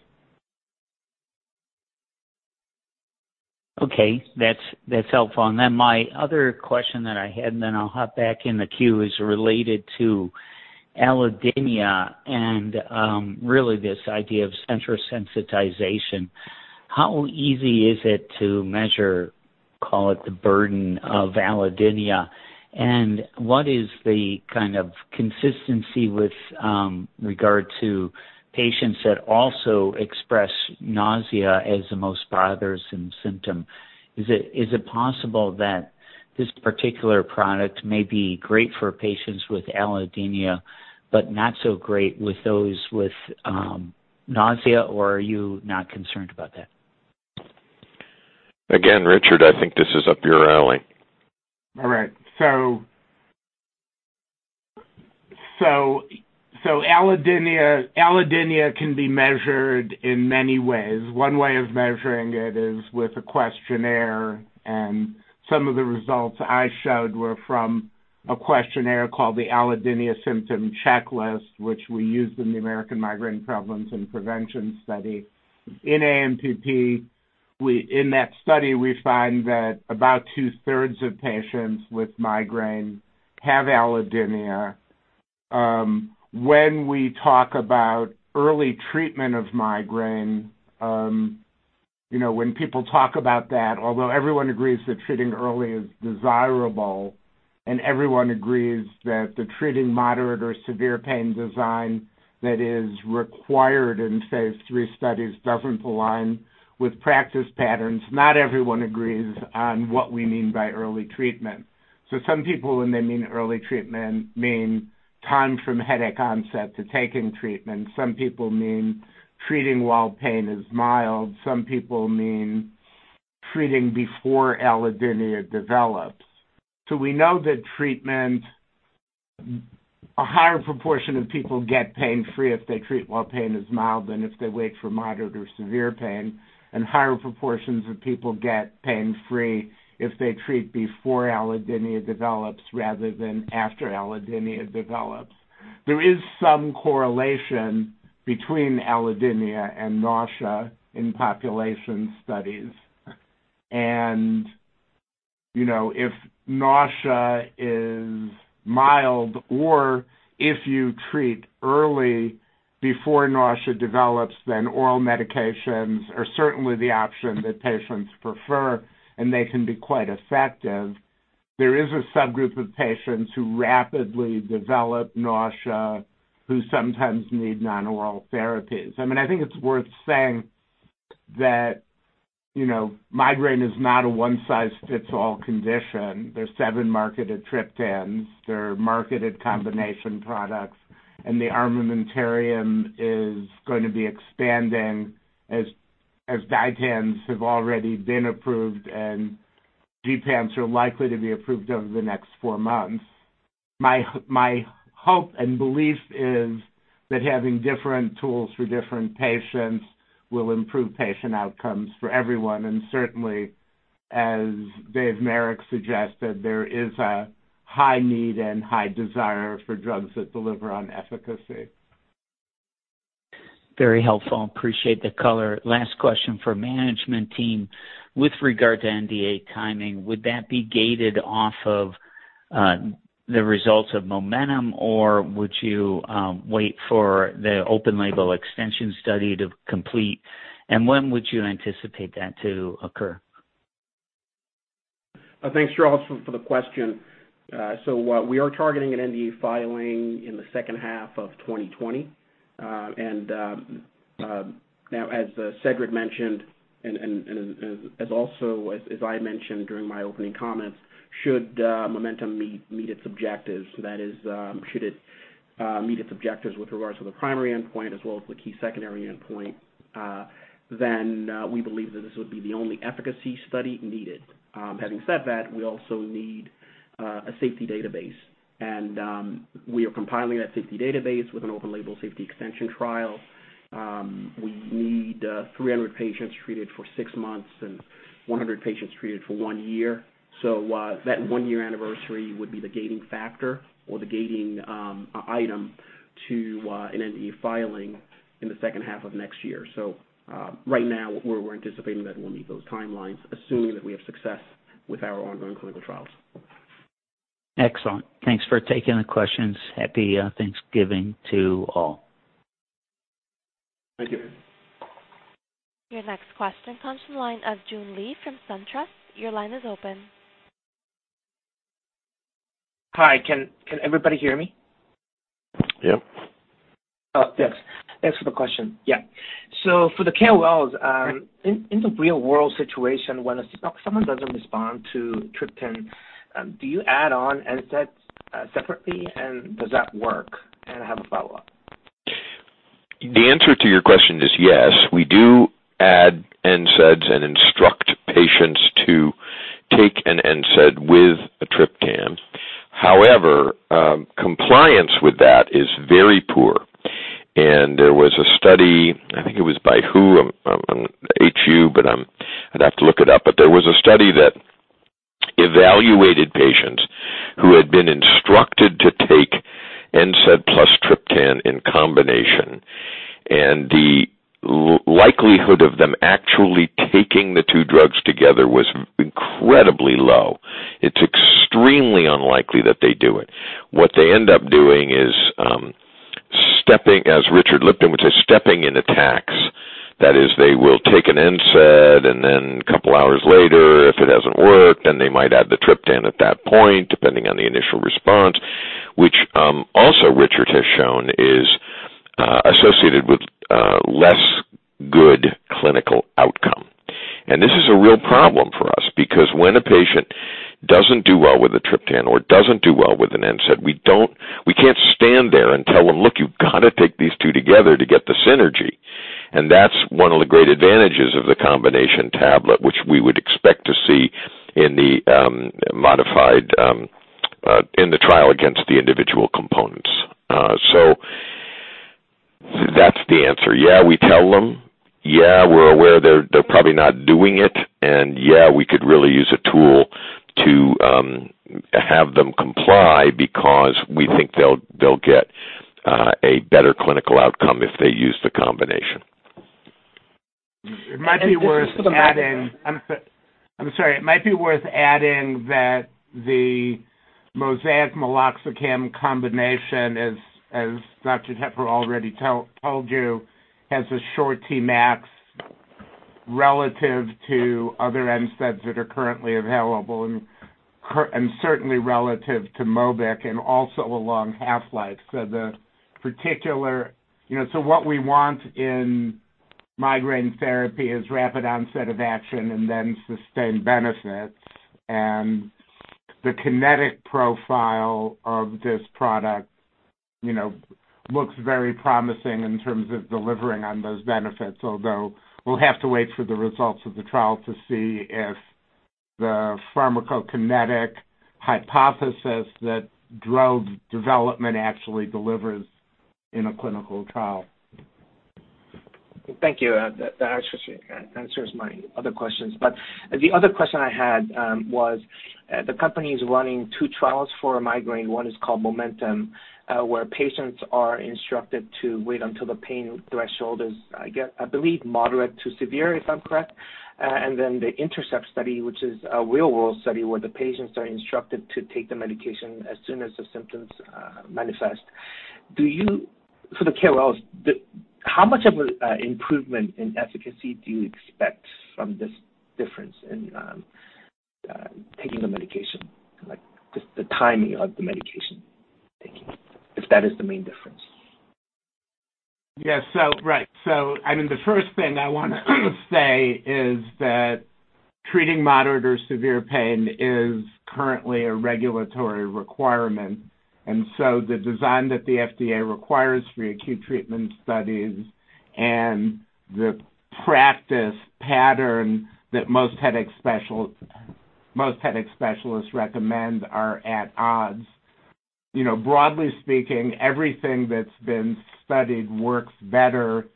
Okay. That's helpful. My other question that I had, and then I'll hop back in the queue, is related to allodynia and really this idea of central sensitization. How easy is it to measure, call it the burden of allodynia, and what is the kind of consistency with regard to patients that also express nausea as the most bothersome symptom? Is it possible that this particular product may be great for patients with allodynia but not so great with those with nausea, or are you not concerned about that? Again, Richard, I think this is up your alley. All right. Allodynia can be measured in many ways. One way of measuring it is with a questionnaire, and some of the results I showed were from a questionnaire called the Allodynia Symptom Checklist, which we used in the American Migraine Prevalence and Prevention Study. In AMPP, in that study, we find that about two-thirds of patients with migraine have allodynia. When we talk about early treatment of migraine, when people talk about that, although everyone agrees that treating early is desirable and everyone agrees that the treating moderate or severe pain design that is required in phase III studies doesn't align with practice patterns, not everyone agrees on what we mean by early treatment. Some people, when they mean early treatment, mean time from headache onset to taking treatment. Some people mean treating while pain is mild. Some people mean treating before allodynia develops. We know that treatment, a higher proportion of people get pain-free if they treat while pain is mild than if they wait for moderate or severe pain, and higher proportions of people get pain-free if they treat before allodynia develops rather than after allodynia develops. There is some correlation between allodynia and nausea in population studies. If nausea is mild or if you treat early before nausea develops, then oral medications are certainly the option that patients prefer, and they can be quite effective. There is a subgroup of patients who rapidly develop nausea who sometimes need non-oral therapies. I think it's worth saying that migraine is not a one-size-fits-all condition. There's seven marketed triptans. There are marketed combination products, and the armamentarium is going to be expanding as ditans have already been approved and gepants are likely to be approved over the next four months. My hope and belief is that having different tools for different patients will improve patient outcomes for everyone. Certainly, as Dave Marek suggested, there is a high need and high desire for drugs that deliver on efficacy. Very helpful. Appreciate the color. Last question for management team. With regard to NDA timing, would that be gated off of the results of MOMENTUM, or would you wait for the open label extension study to complete, and when would you anticipate that to occur? Thanks, Charles, for the question. We are targeting an NDA filing in the second half of 2020. Now, as Cedric mentioned, as also as I mentioned during my opening comments, should MOMENTUM meet its objectives, that is, should it meet its objectives with regards to the primary endpoint as well as the key secondary endpoint, we believe that this would be the only efficacy study needed. Having said that, we also need a safety database. We are compiling that safety database with an open-label safety extension trial. We need 300 patients treated for six months and 100 patients treated for one year. That one-year anniversary would be the gating factor or the gating item to an NDA filing in the second half of next year. Right now, we're anticipating that we'll meet those timelines, assuming that we have success with our ongoing clinical trials. Excellent. Thanks for taking the questions. Happy Thanksgiving to all. Thank you. Your next question comes from the line of Jun Lee from SunTrust. Your line is open. Hi, can everybody hear me? Yep. Oh, yes. Thanks for the question. Yeah. For the KOLs, in the real-world situation, when someone doesn't respond to triptan, do you add on NSAIDs separately, and does that work? I have a follow-up. The answer to your question is yes. We do add NSAIDs and instruct patients to take an NSAID with a triptan. However, compliance with that is very poor. There was a study, I think it was by Hu, H-U, but I'd have to look it up. There was a study that evaluated patients who had been instructed to take NSAID plus triptan in combination, and the likelihood of them actually taking the two drugs together was incredibly low. It's extremely unlikely that they do it. What they end up doing is, as Richard Lipton would say, stepping in attacks. That is, they will take an NSAID, and then a couple of hours later, if it hasn't worked, then they might add the triptan at that point, depending on the initial response, which also Richard has shown is associated with less good clinical outcome. This is a real problem for us because when a patient doesn't do well with a triptan or doesn't do well with an NSAID, we can't stand there and tell them, "Look, you've got to take these two together to get the synergy." That's one of the great advantages of the combination tablet, which we would expect to see in the trial against the individual components. That's the answer. Yeah, we tell them. Yeah, we're aware they're probably not doing it. Yeah, we could really use a tool to have them comply because we think they'll get a better clinical outcome if they use the combination. It might be worth adding. And just for the- *crosstalk* I'm sorry. It might be worth adding that the MoSEIC meloxicam combination, as Dr. Tepper already told you, has a short Tmax relative to other NSAIDs that are currently available and certainly relative to MOBIC, and also a long half-life. What we want in migraine therapy is rapid onset of action and then sustained benefits. The kinetic profile of this product looks very promising in terms of delivering on those benefits, although we'll have to wait for the results of the trial to see if the pharmacokinetic hypothesis that drug development actually delivers in a clinical trial. Thank you. That actually answers my other questions. The other question I had was, the company is running two trials for migraine. One is called MOMENTUM, where patients are instructed to wait until the pain threshold is, I believe, moderate to severe, if I'm correct. The INTERCEPT study, which is a real-world study where the patients are instructed to take the medication as soon as the symptoms manifest. For the KOLs, how much of an improvement in efficacy do you expect from this difference in taking the medication, like just the timing of the medication taking, if that is the main difference? Yeah. Right. The first thing I want to say is that treating moderate or severe pain is currently a regulatory requirement. The design that the FDA requires for your acute treatment studies and the practice pattern that most headache specialists recommend are at odds. Broadly speaking, everything that's been studied works better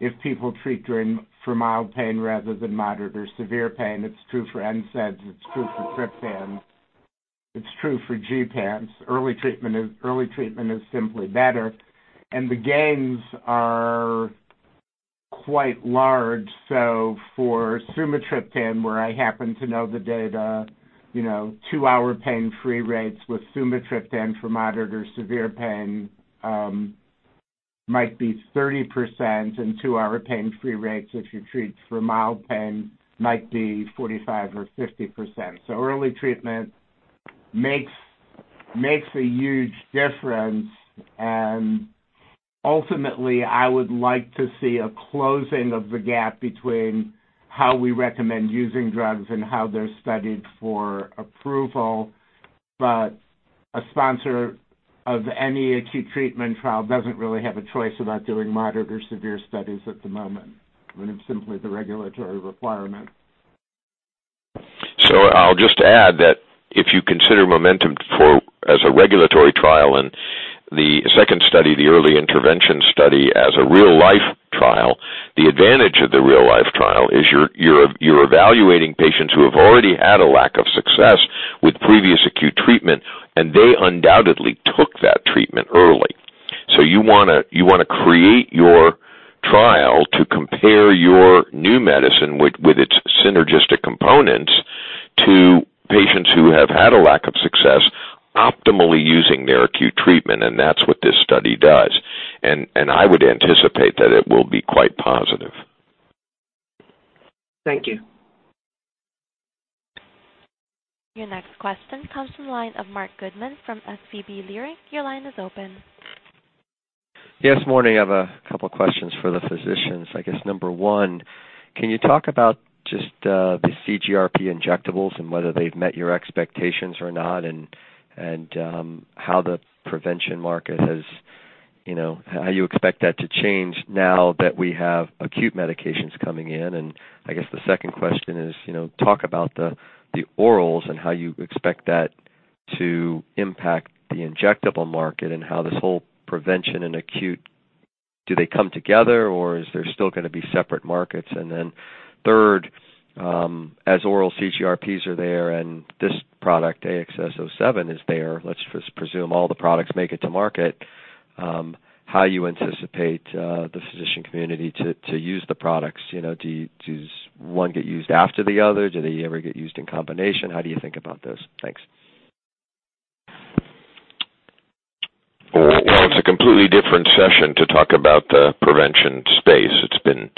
if people treat for mild pain rather than moderate or severe pain. It's true for NSAIDs, it's true for triptans, it's true for Gepants. Early treatment is simply better, and the gains are quite large. For sumatriptan, where I happen to know the data, two-hour pain-free rates with sumatriptan for moderate or severe pain might be 30%, and two-hour pain-free rates if you treat for mild pain might be 45% or 50%. Early treatment makes a huge difference, and ultimately, I would like to see a closing of the gap between how we recommend using drugs and how they're studied for approval. A sponsor of any acute treatment trial doesn't really have a choice about doing moderate or severe studies at the moment. It's simply the regulatory requirement. I'll just add that if you consider MOMENTUM as a regulatory trial and the second study, the early intervention study, as a real-life trial, the advantage of the real-life trial is you're evaluating patients who have already had a lack of success with previous acute treatment, and they undoubtedly took that treatment early. You want to create your trial to compare your new medicine with its synergistic components to patients who have had a lack of success optimally using their acute treatment, and that's what this study does. I would anticipate that it will be quite positive. Thank you. Your next question comes from the line of Marc Goodman from SVB Leerink. Your line is open. Yes, morning. I have a couple questions for the physicians. I guess number one, can you talk about just the CGRP injectables and whether they've met your expectations or not and how you expect that to change now that we have acute medications coming in? I guess the second question is, talk about the orals and how you expect that to impact the injectable market and how this whole prevention and acute, do they come together or is there still going to be separate markets? Then third, as oral CGRPs are there and this product, AXS-07 is there, let's presume all the products make it to market, how you anticipate the physician community to use the products. Does one get used after the other? Do they ever get used in combination? How do you think about those? Thanks. Well, it's a completely different session to talk about the prevention space. It's been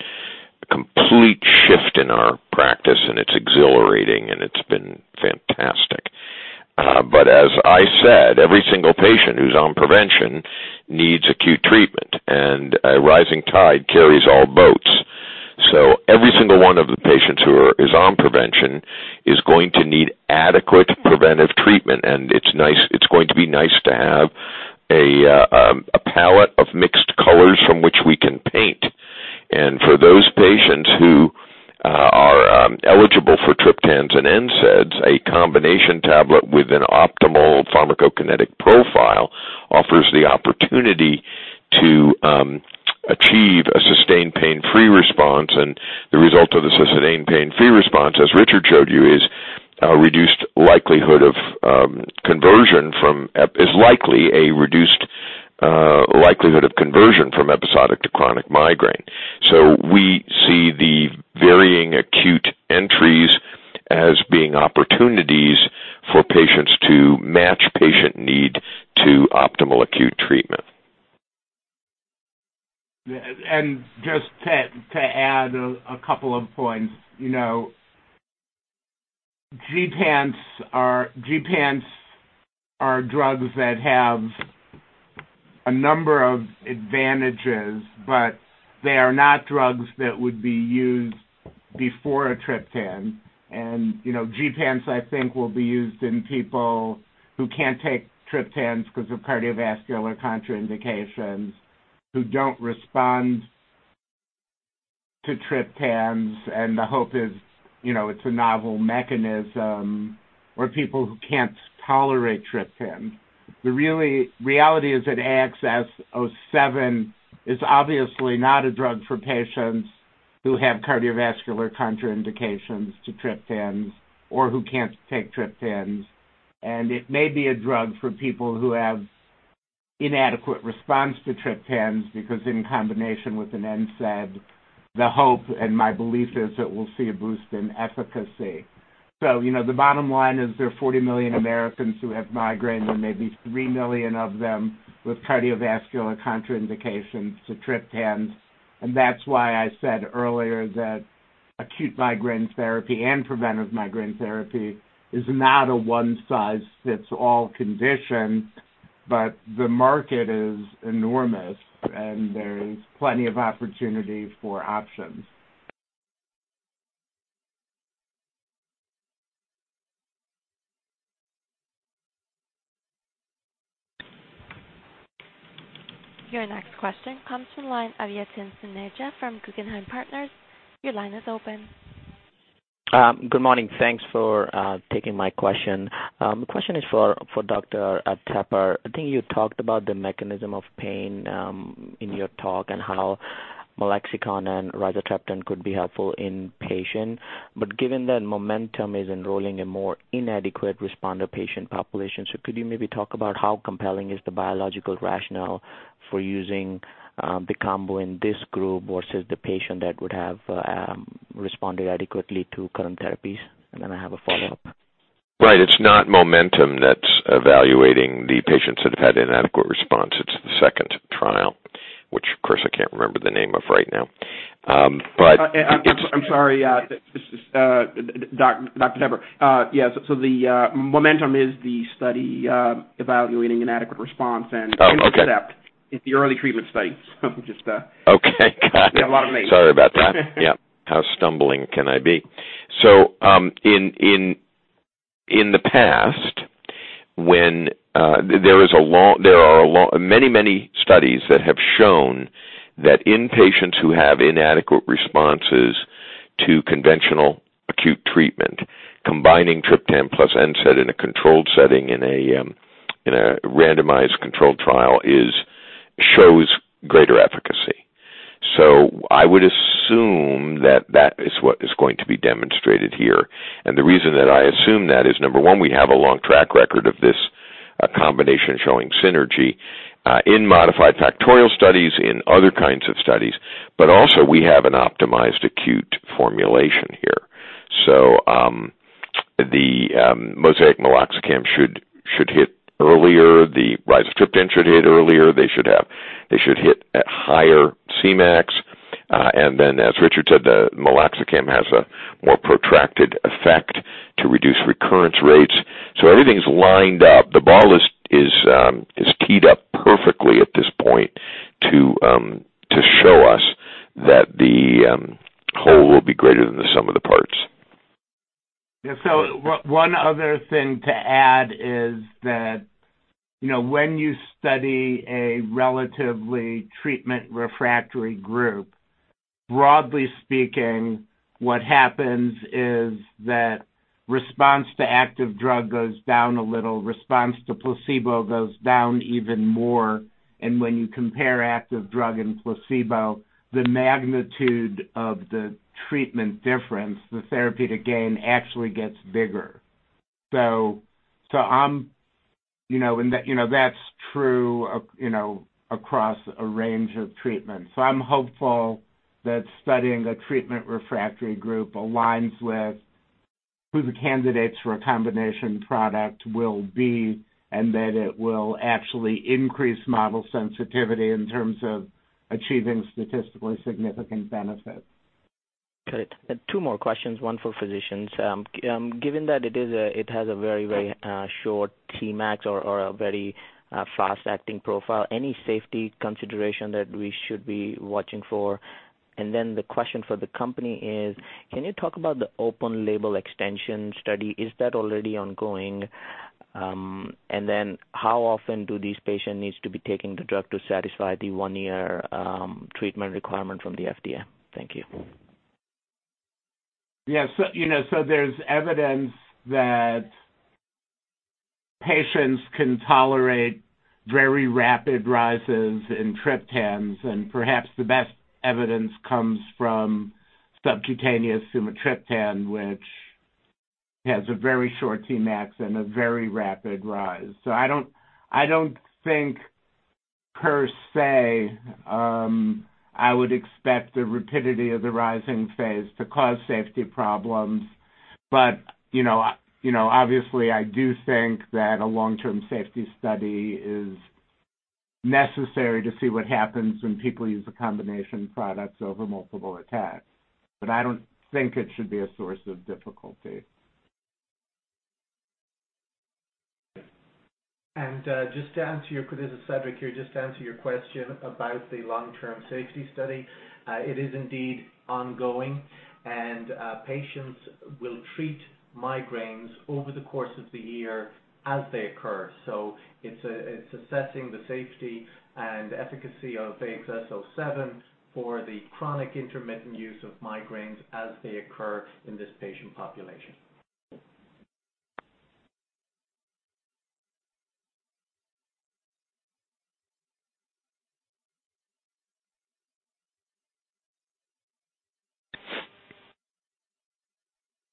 a complete shift in our practice, and it's exhilarating, and it's been fantastic. As I said, every single patient who's on prevention needs acute treatment, and a rising tide carries all boats. Every single one of the patients who is on prevention is going to need adequate preventive treatment. It's going to be nice to have a palette of mixed colors from which we can paint. For those patients who are eligible for triptans and NSAIDs, a combination tablet with an optimal pharmacokinetic profile offers the opportunity to achieve a sustained pain-free response. The result of the sustained pain-free response, as Richard showed you, is likely a reduced likelihood of conversion from episodic to chronic migraine. We see the varying acute entries as being opportunities for patients to match patient need to optimal acute treatment. Just to add a couple of points. Gepants are drugs that have a number of advantages, but they are not drugs that would be used before a triptan. Gepants, I think, will be used in people who can't take triptans because of cardiovascular contraindications, who don't respond to triptans, and the hope is it's a novel mechanism, or people who can't tolerate triptan. The reality is that AXS-07 is obviously not a drug for patients who have cardiovascular contraindications to triptans or who can't take triptans. It may be a drug for people who have inadequate response to triptans because in combination with an NSAID, the hope and my belief is that we'll see a boost in efficacy. The bottom line is there are 40 million Americans who have migraine, and maybe 3 million of them with cardiovascular contraindications to triptans. That's why I said earlier that acute migraine therapy and preventive migraine therapy is not a one size fits all condition. The market is enormous, and there is plenty of opportunity for options. Your next question comes from the line of Yatin Suneja from Guggenheim Partners. Your line is open. Good morning. Thanks for taking my question. The question is for Dr. Tepper. I think you talked about the mechanism of pain in your talk and how meloxicam and rizatriptan could be helpful in patients. Given that MOMENTUM is enrolling a more inadequate responder patient population, could you maybe talk about how compelling is the biological rationale for using the combo in this group versus the patient that would have responded adequately to current therapies? I have a follow-up. Right. It's not MOMENTUM that's evaluating the patients that have had inadequate response. It's the second trial, which, of course, I can't remember the name of right now. I'm sorry, Dr. Tepper. Yeah. The MOMENTUM is the study evaluating inadequate response and INTERCEPT. It's the early treatment studies. Okay, got it. They have a lot of names. Sorry about that. Yeah. How stumbling can I be? In the past, there are many studies that have shown that in patients who have inadequate responses to conventional acute treatment, combining triptan plus NSAID in a controlled setting in a randomized controlled trial shows greater efficacy. I would assume that is what is going to be demonstrated here. The reason that I assume that is, number one, we have a long track record of this combination showing synergy in modified factorial studies, in other kinds of studies. Also, we have an optimized acute formulation here. The MoSEIC meloxicam should hit earlier, the rizatriptan should hit earlier. They should hit at higher Cmax. As Richard said, the meloxicam has a more protracted effect to reduce recurrence rates. Everything's lined up. The ball is teed up perfectly at this point to show us that the whole will be greater than the sum of the parts. Yeah. One other thing to add is that when you study a relatively treatment refractory group. Broadly speaking, what happens is that response to active drug goes down a little, response to placebo goes down even more, and when you compare active drug and placebo, the magnitude of the treatment difference, the therapeutic gain, actually gets bigger. That's true across a range of treatments. I'm hopeful that studying a treatment-refractory group aligns with who the candidates for a combination product will be, and that it will actually increase model sensitivity in terms of achieving statistically significant benefit. Got it. Two more questions, one for physicians. Given that it has a very short Cmax or a very fast-acting profile, any safety consideration that we should be watching for? The question for the company is, can you talk about the open label extension study? Is that already ongoing? How often do these patients need to be taking the drug to satisfy the one-year treatment requirement from the FDA? Thank you. Yeah. There's evidence that patients can tolerate very rapid rises in triptans, and perhaps the best evidence comes from subcutaneous sumatriptan, which has a very short Cmax and a very rapid rise. I don't think, per se, I would expect the rapidity of the rising phase to cause safety problems. Obviously, I do think that a long-term safety study is necessary to see what happens when people use the combination products over multiple attacks. I don't think it should be a source of difficulty. Just to answer your, this is Cedric here, just to answer your question about the long-term safety study. It is indeed ongoing, and patients will treat migraines over the course of the year as they occur. It's assessing the safety and efficacy of AXS-07 for the chronic intermittent use of migraines as they occur in this patient population.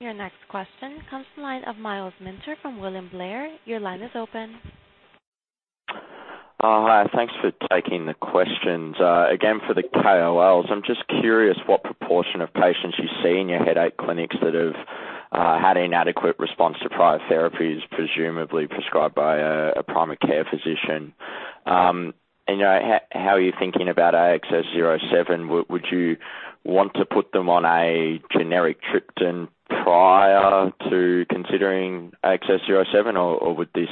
Your next question comes from the line of Myles Minter from William Blair. Your line is open. Hi, thanks for taking the questions. Again for the KOLs, I'm just curious what proportion of patients you see in your headache clinics that have had inadequate response to prior therapies, presumably prescribed by a primary care physician. How are you thinking about AXS-07? Would you want to put them on a generic triptan prior to considering AXS-07, or would this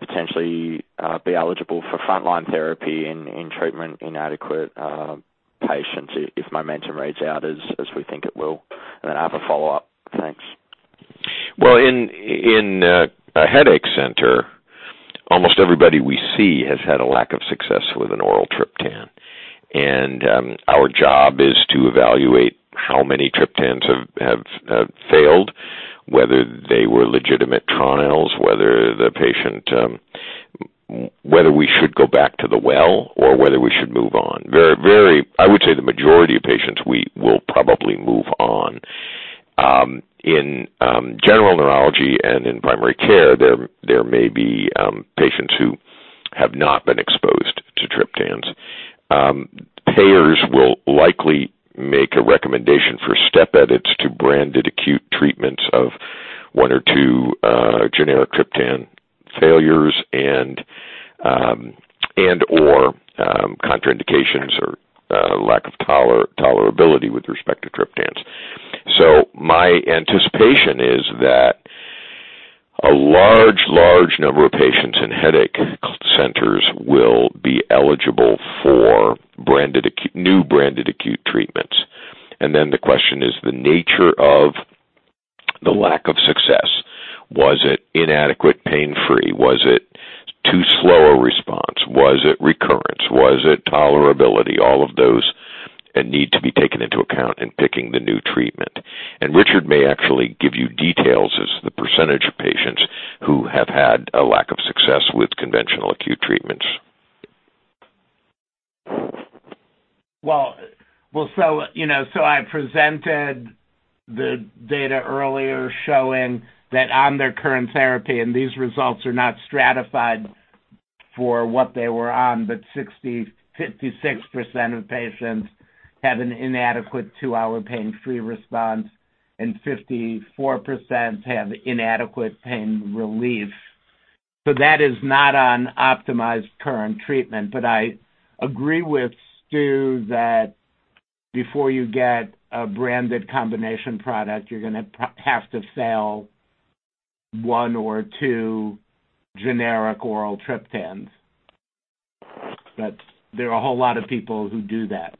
potentially be eligible for frontline therapy in treatment-inadequate patients, if MOMENTUM reads out as we think it will? I have a follow-up. Thanks. Well, in a headache center, almost everybody we see has had a lack of success with an oral triptan. Our job is to evaluate how many triptans have failed, whether they were legitimate trials, whether we should go back to the well or whether we should move on. I would say the majority of patients, we will probably move on. In general neurology and in primary care, there may be patients who have not been exposed to triptans. Payers will likely make a recommendation for step edits to branded acute treatments of one or two generic triptan failures and/or contraindications or lack of tolerability with respect to triptans. My anticipation is that a large number of patients in headache centers will be eligible for new branded acute treatments. The question is the nature of the lack of success. Was it inadequate pain-free? Was it too slow a response? Was it recurrence? Was it tolerability? All of those need to be taken into account in picking the new treatment. Richard may actually give you details as to the % of patients who have had a lack of success with conventional acute treatments. I presented the data earlier showing that on their current therapy, and these results are not stratified for what they were on, 56% of patients have an inadequate two-hour pain-free response and 54% have inadequate pain relief. That is not on optimized current treatment. I agree with Stew that before you get a branded combination product, you're going to have to fail one or two generic oral triptans. There are a whole lot of people who do that.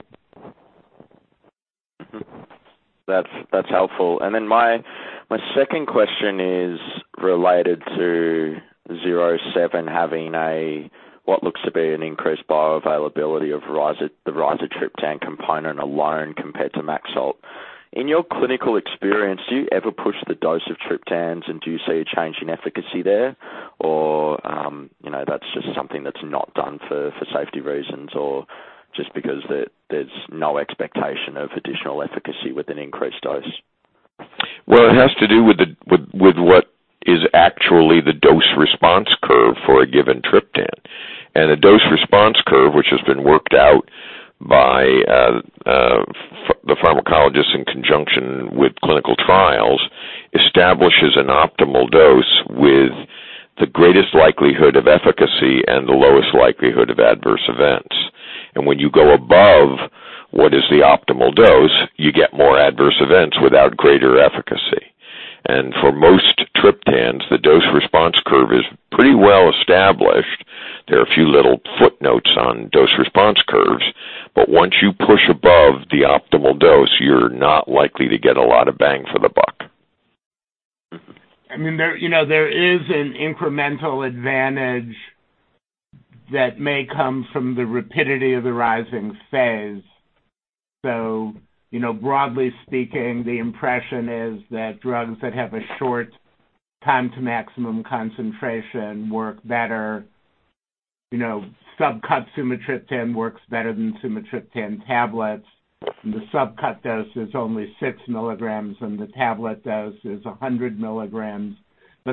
That's helpful. My second question is related to AXS-07 having what looks to be an increased bioavailability of the rizatriptan component alone compared to MAXALT. In your clinical experience, do you ever push the dose of triptans, and do you see a change in efficacy there? That's just something that's not done for safety reasons, or just because there's no expectation of additional efficacy with an increased dose? Well, it has to do with what is actually the dose response curve for a given triptan. A dose response curve, which has been worked out by the pharmacologist in conjunction with clinical trials, establishes an optimal dose with the greatest likelihood of efficacy and the lowest likelihood of adverse events. When you go above what is the optimal dose, you get more adverse events without greater efficacy. For most triptans, the dose response curve is pretty well established. There are a few little footnotes on dose response curves, but once you push above the optimal dose, you're not likely to get a lot of bang for the buck. There is an incremental advantage that may come from the rapidity of the rising phase. Broadly speaking, the impression is that drugs that have a short time to maximum concentration work better. Subcutaneous sumatriptan works better than sumatriptan tablets, and the subcutaneous dose is only 6 mg, and the tablet dose is 100 mg.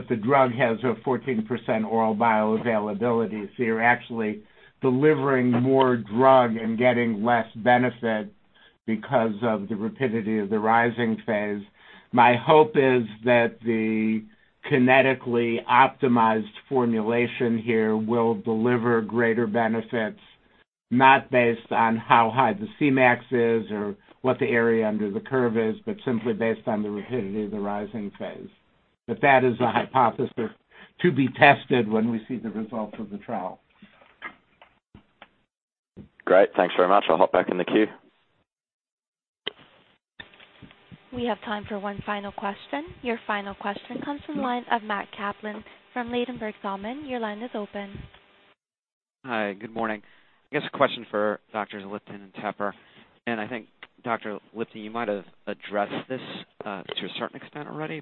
The drug has a 14% oral bioavailability, so you're actually delivering more drug and getting less benefit because of the rapidity of the rising phase. My hope is that the kinetically optimized formulation here will deliver greater benefits, not based on how high the Cmax is or what the area under the curve is, but simply based on the rapidity of the rising phase. That is a hypothesis to be tested when we see the results of the trial. Great. Thanks very much. I'll hop back in the queue. We have time for one final question. Your final question comes from the line of Matt Kaplan from Ladenburg Thalmann. Your line is open. Hi, good morning. I guess a question for Drs. Lipton and Tepper. I think, Dr. Lipton, you might have addressed this to a certain extent already.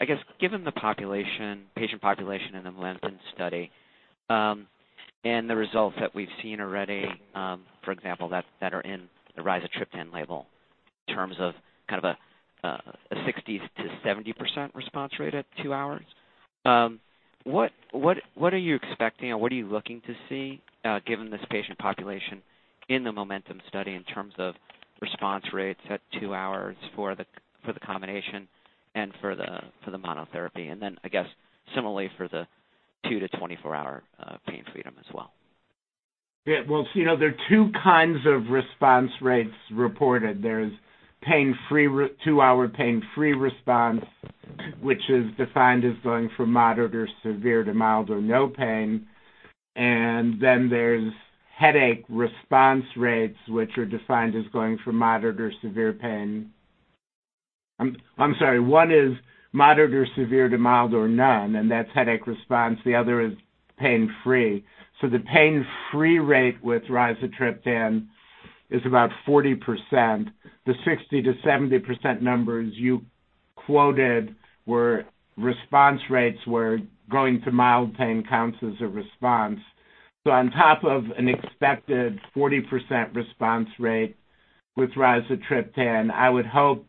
I guess given the patient population in the MOMENTUM study, and the results that we've seen already, for example, that are in the rizatriptan label in terms of a 60%-70% response rate at two hours. What are you expecting, and what are you looking to see given this patient population in the MOMENTUM study in terms of response rates at two hours for the combination and for the monotherapy, and then, I guess similarly for the two to 24-hour pain freedom as well? Yeah. Well, there are two kinds of response rates reported. There's two-hour pain-free response, which is defined as going from moderate or severe to mild or no pain. There's headache response rates. One is moderate or severe to mild or none, and that's headache response. The other is pain-free. The pain-free rate with rizatriptan is about 40%. The 60%-70% numbers you quoted were response rates where going to mild pain counts as a response. On top of an expected 40% response rate with rizatriptan, I would hope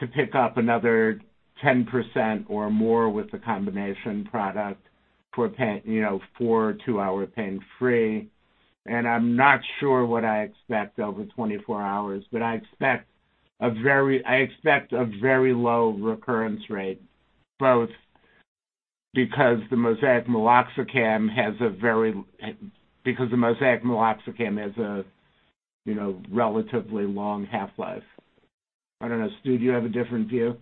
to pick up another 10% or more with the combination product for two-hour pain-free. I'm not sure what I expect over 24 hours, but I expect a very low recurrence rate, both because the MoSEIC meloxicam has a relatively long half-life. I don't know, Stew, do you have a different view?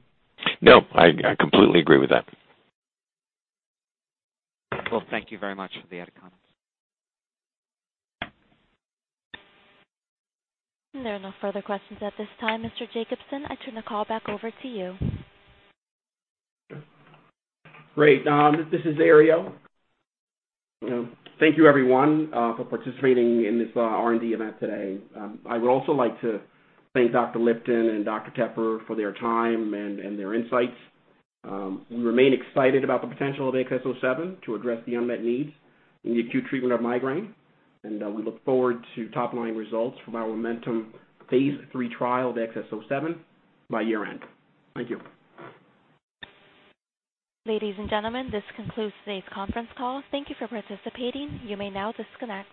No, I completely agree with that. Cool. Thank you very much for the added comments. There are no further questions at this time. Mr. Jacobson, I turn the call back over to you. Great. This is Herriot. Thank you, everyone for participating in this R&D event today. I would also like to thank Dr. Lipton and Dr. Tepper for their time and their insights. We remain excited about the potential of AXS-07 to address the unmet needs in the acute treatment of migraine, we look forward to top-line results from our MOMENTUM phase III trial of AXS-07 by year-end. Thank you. Ladies and gentlemen, this concludes today's conference call. Thank you for participating. You may now disconnect.